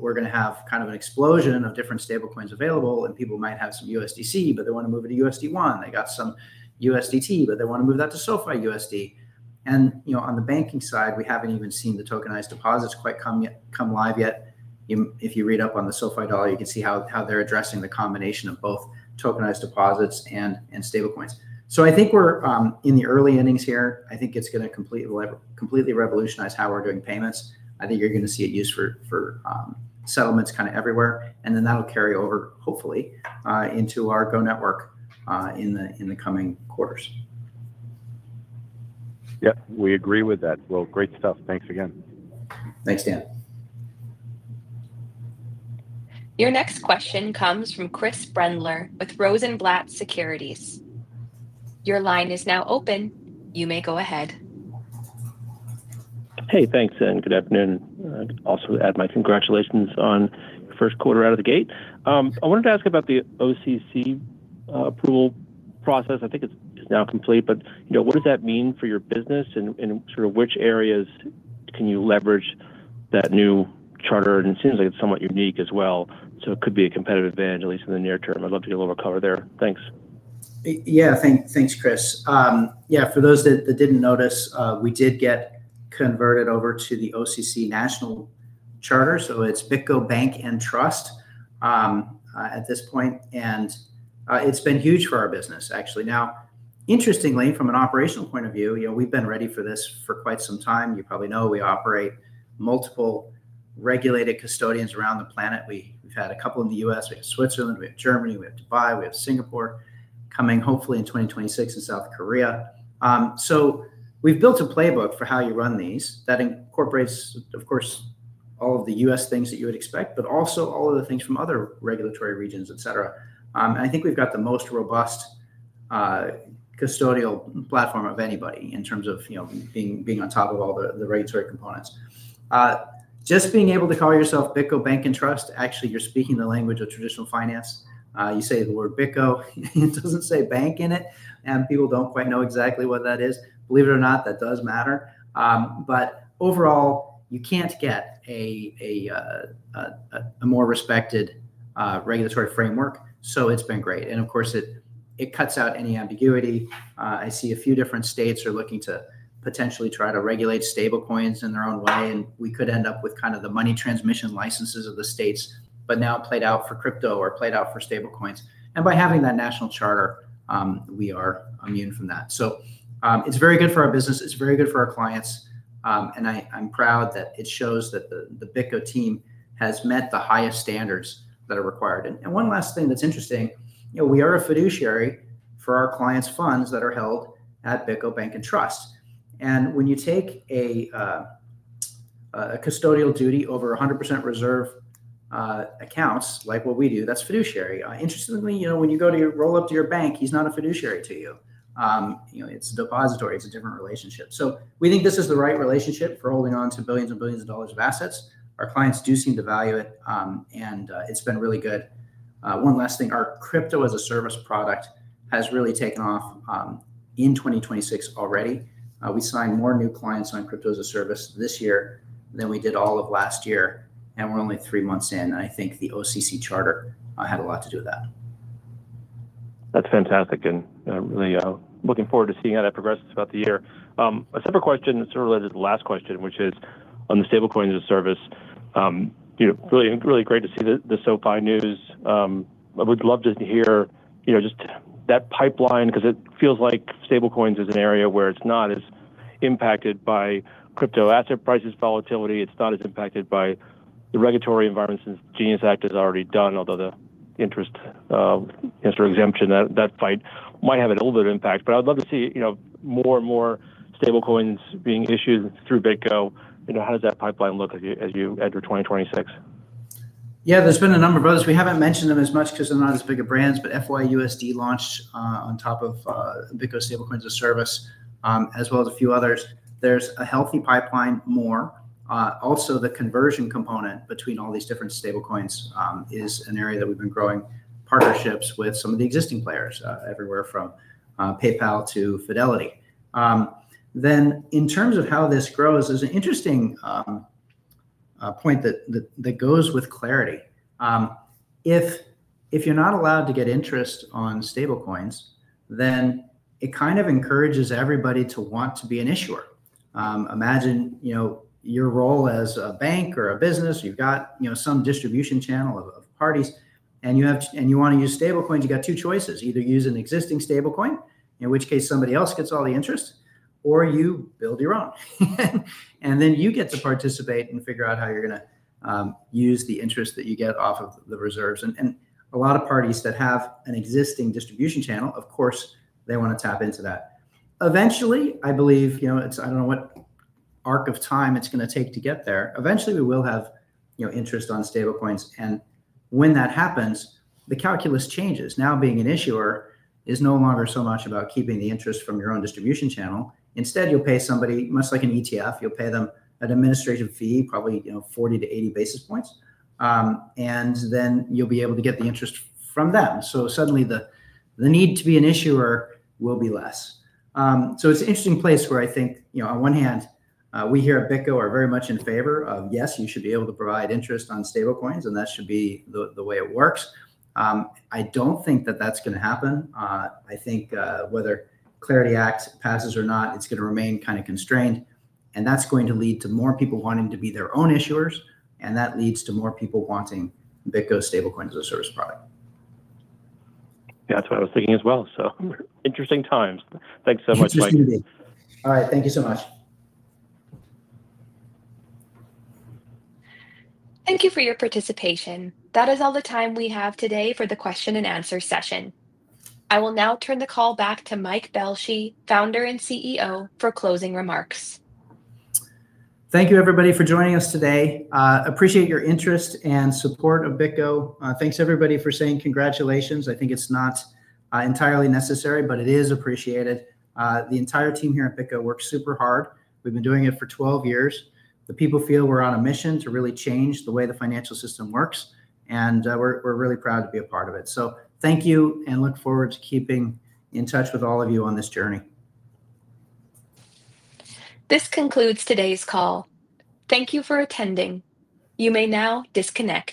We're gonna have kind of an explosion of different stablecoins available, and people might have some USDC, but they want to move it to USD 1. They got some USDT, but they want to move that to SoFiUSD. You know, on the banking side, we haven't even seen the tokenized deposits quite come live yet. If you read up on the SoFiUSD, you can see how they're addressing the combination of both tokenized deposits and stablecoins. I think we're in the early innings here. I think it's gonna completely revolutionize how we're doing payments. I think you're gonna see it used for settlements kind of everywhere. Then that'll carry over, hopefully, into our Go Network, in the coming quarters. Yep, we agree with that. Well, great stuff. Thanks again. Thanks, Dan. Your next question comes from Chris Brendler with Rosenblatt Securities. Your line is now open. You may go ahead. Hey, thanks, and good afternoon. I'd also add my congratulations on first quarter out of the gate. I wanted to ask about the OCC approval process. I think it's now complete, but, you know, what does that mean for your business, and sort of which areas can you leverage that new charter? It seems like it's somewhat unique as well, so it could be a competitive advantage, at least in the near term. I'd love to get a little cover there. Thanks. Thanks, Chris. For those that didn't notice, we did get converted over to the OCC National Charter, so it's BitGo Bank & Trust at this point. It's been huge for our business, actually. Now, interestingly, from an operational point of view, you know, we've been ready for this for quite some time. You probably know we operate multiple regulated custodians around the planet. We've had a couple in the U.S. We have Switzerland. We have Germany. We have Dubai. We have Singapore coming hopefully in 2026 in South Korea. We've built a playbook for how you run these that incorporates, of course, all of the U.S. things that you would expect, but also all of the things from other regulatory regions, et cetera. I think we've got the most robust custodial platform of anybody in terms of, you know, being on top of all the regulatory components. Just being able to call yourself BitGo Bank & Trust, actually, you're speaking the language of traditional finance. You say the word BitGo, it doesn't say bank in it, and people don't quite know exactly what that is. Believe it or not, that does matter. Overall, you can't get a more respected regulatory framework, so it's been great. Of course, it cuts out any ambiguity. I see a few different states are looking to potentially try to regulate stablecoins in their own way, and we could end up with kind of the money transmission licenses of the states, but now played out for crypto or played out for stablecoins. By having that national charter, we are immune from that. It's very good for our business. It's very good for our clients. I'm proud that it shows that the BitGo team has met the highest standards that are required. One last thing that's interesting, you know, we are a fiduciary for our clients' funds that are held at BitGo Bank & Trust. When you take a custodial duty over 100% reserve accounts like what we do, that's fiduciary. Interestingly, you know, when you go to roll up to your bank, he's not a fiduciary to you. You know, it's depository. It's a different relationship. We think this is the right relationship for holding on to billions and billions of dollars of assets. Our clients do seem to value it. It's been really good. One last thing. Our Crypto-as-a-Service product has really taken off in 2026 already. We signed more new clients on Crypto-as-a-Service this year than we did all of last year, and we're only three months in. I think the OCC charter had a lot to do with that. That's fantastic, and I'm really looking forward to seeing how that progresses throughout the year. A separate question that's sort of related to the last question, which is on the Stablecoin-as-a-Service. You know, really great to see the SoFi news. I would love to hear, you know, just that pipeline, 'cause it feels like stablecoins is an area where it's not as impacted by crypto asset prices volatility. It's not as impacted by the regulatory environment since GENIUS Act is already done, although the interest exemption, that fight might have a little bit of impact. But I would love to see, you know, more and more stablecoins being issued through BitGo. You know, how does that pipeline look as you enter 2026? Yeah, there's been a number of others. We haven't mentioned them as much because they're not as big of brands, but FYUSD launched on top of BitGo Stablecoin-as-a-Service, as well as a few others. There's a healthy pipeline more. Also the conversion component between all these different stablecoins is an area that we've been growing partnerships with some of the existing players, everywhere from PayPal to Fidelity. Then in terms of how this grows, there's an interesting point that goes with CLARITY. If you're not allowed to get interest on stablecoins, then it kind of encourages everybody to want to be an issuer. Imagine, you know, your role as a bank or a business. You've got, you know, some distribution channel of parties, and you want to use stablecoins. You've got two choices, either use an existing stablecoin, in which case somebody else gets all the interest, or you build your own. You get to participate and figure out how you're gonna use the interest that you get off of the reserves. A lot of parties that have an existing distribution channel, of course, they want to tap into that. Eventually, I believe, you know, I don't know what arc of time it's gonna take to get there. Eventually, we will have, you know, interest on stablecoins, and when that happens, the calculus changes. Now being an issuer is no longer so much about keeping the interest from your own distribution channel. Instead, you'll pay somebody, much like an ETF, you'll pay them an administrative fee, probably, you know, 40-80 basis points. And then you'll be able to get the interest from them. Suddenly the need to be an issuer will be less. It's an interesting place where I think, you know, on one hand, we here at BitGo are very much in favor of, yes, you should be able to provide interest on stablecoins, and that should be the way it works. I don't think that that's gonna happen. I think whether CLARITY Act passes or not, it's gonna remain kind of constrained, and that's going to lead to more people wanting to be their own issuers, and that leads to more people wanting BitGo Stablecoin-as-a-Service product. Yeah, that's what I was thinking as well. Interesting times. Thanks so much, Mike. Interesting indeed. All right. Thank you so much. Thank you for your participation. That is all the time we have today for the question and answer session. I will now turn the call back to Mike Belshe, Founder and CEO, for closing remarks. Thank you, everybody, for joining us today. Appreciate your interest and support of BitGo. Thanks everybody for saying congratulations. I think it's not entirely necessary, but it is appreciated. The entire team here at BitGo works super hard. We've been doing it for 12 years. The people feel we're on a mission to really change the way the financial system works, and we're really proud to be a part of it. Thank you, and look forward to keeping in touch with all of you on this journey. This concludes today's call. Thank you for attending. You may now disconnect.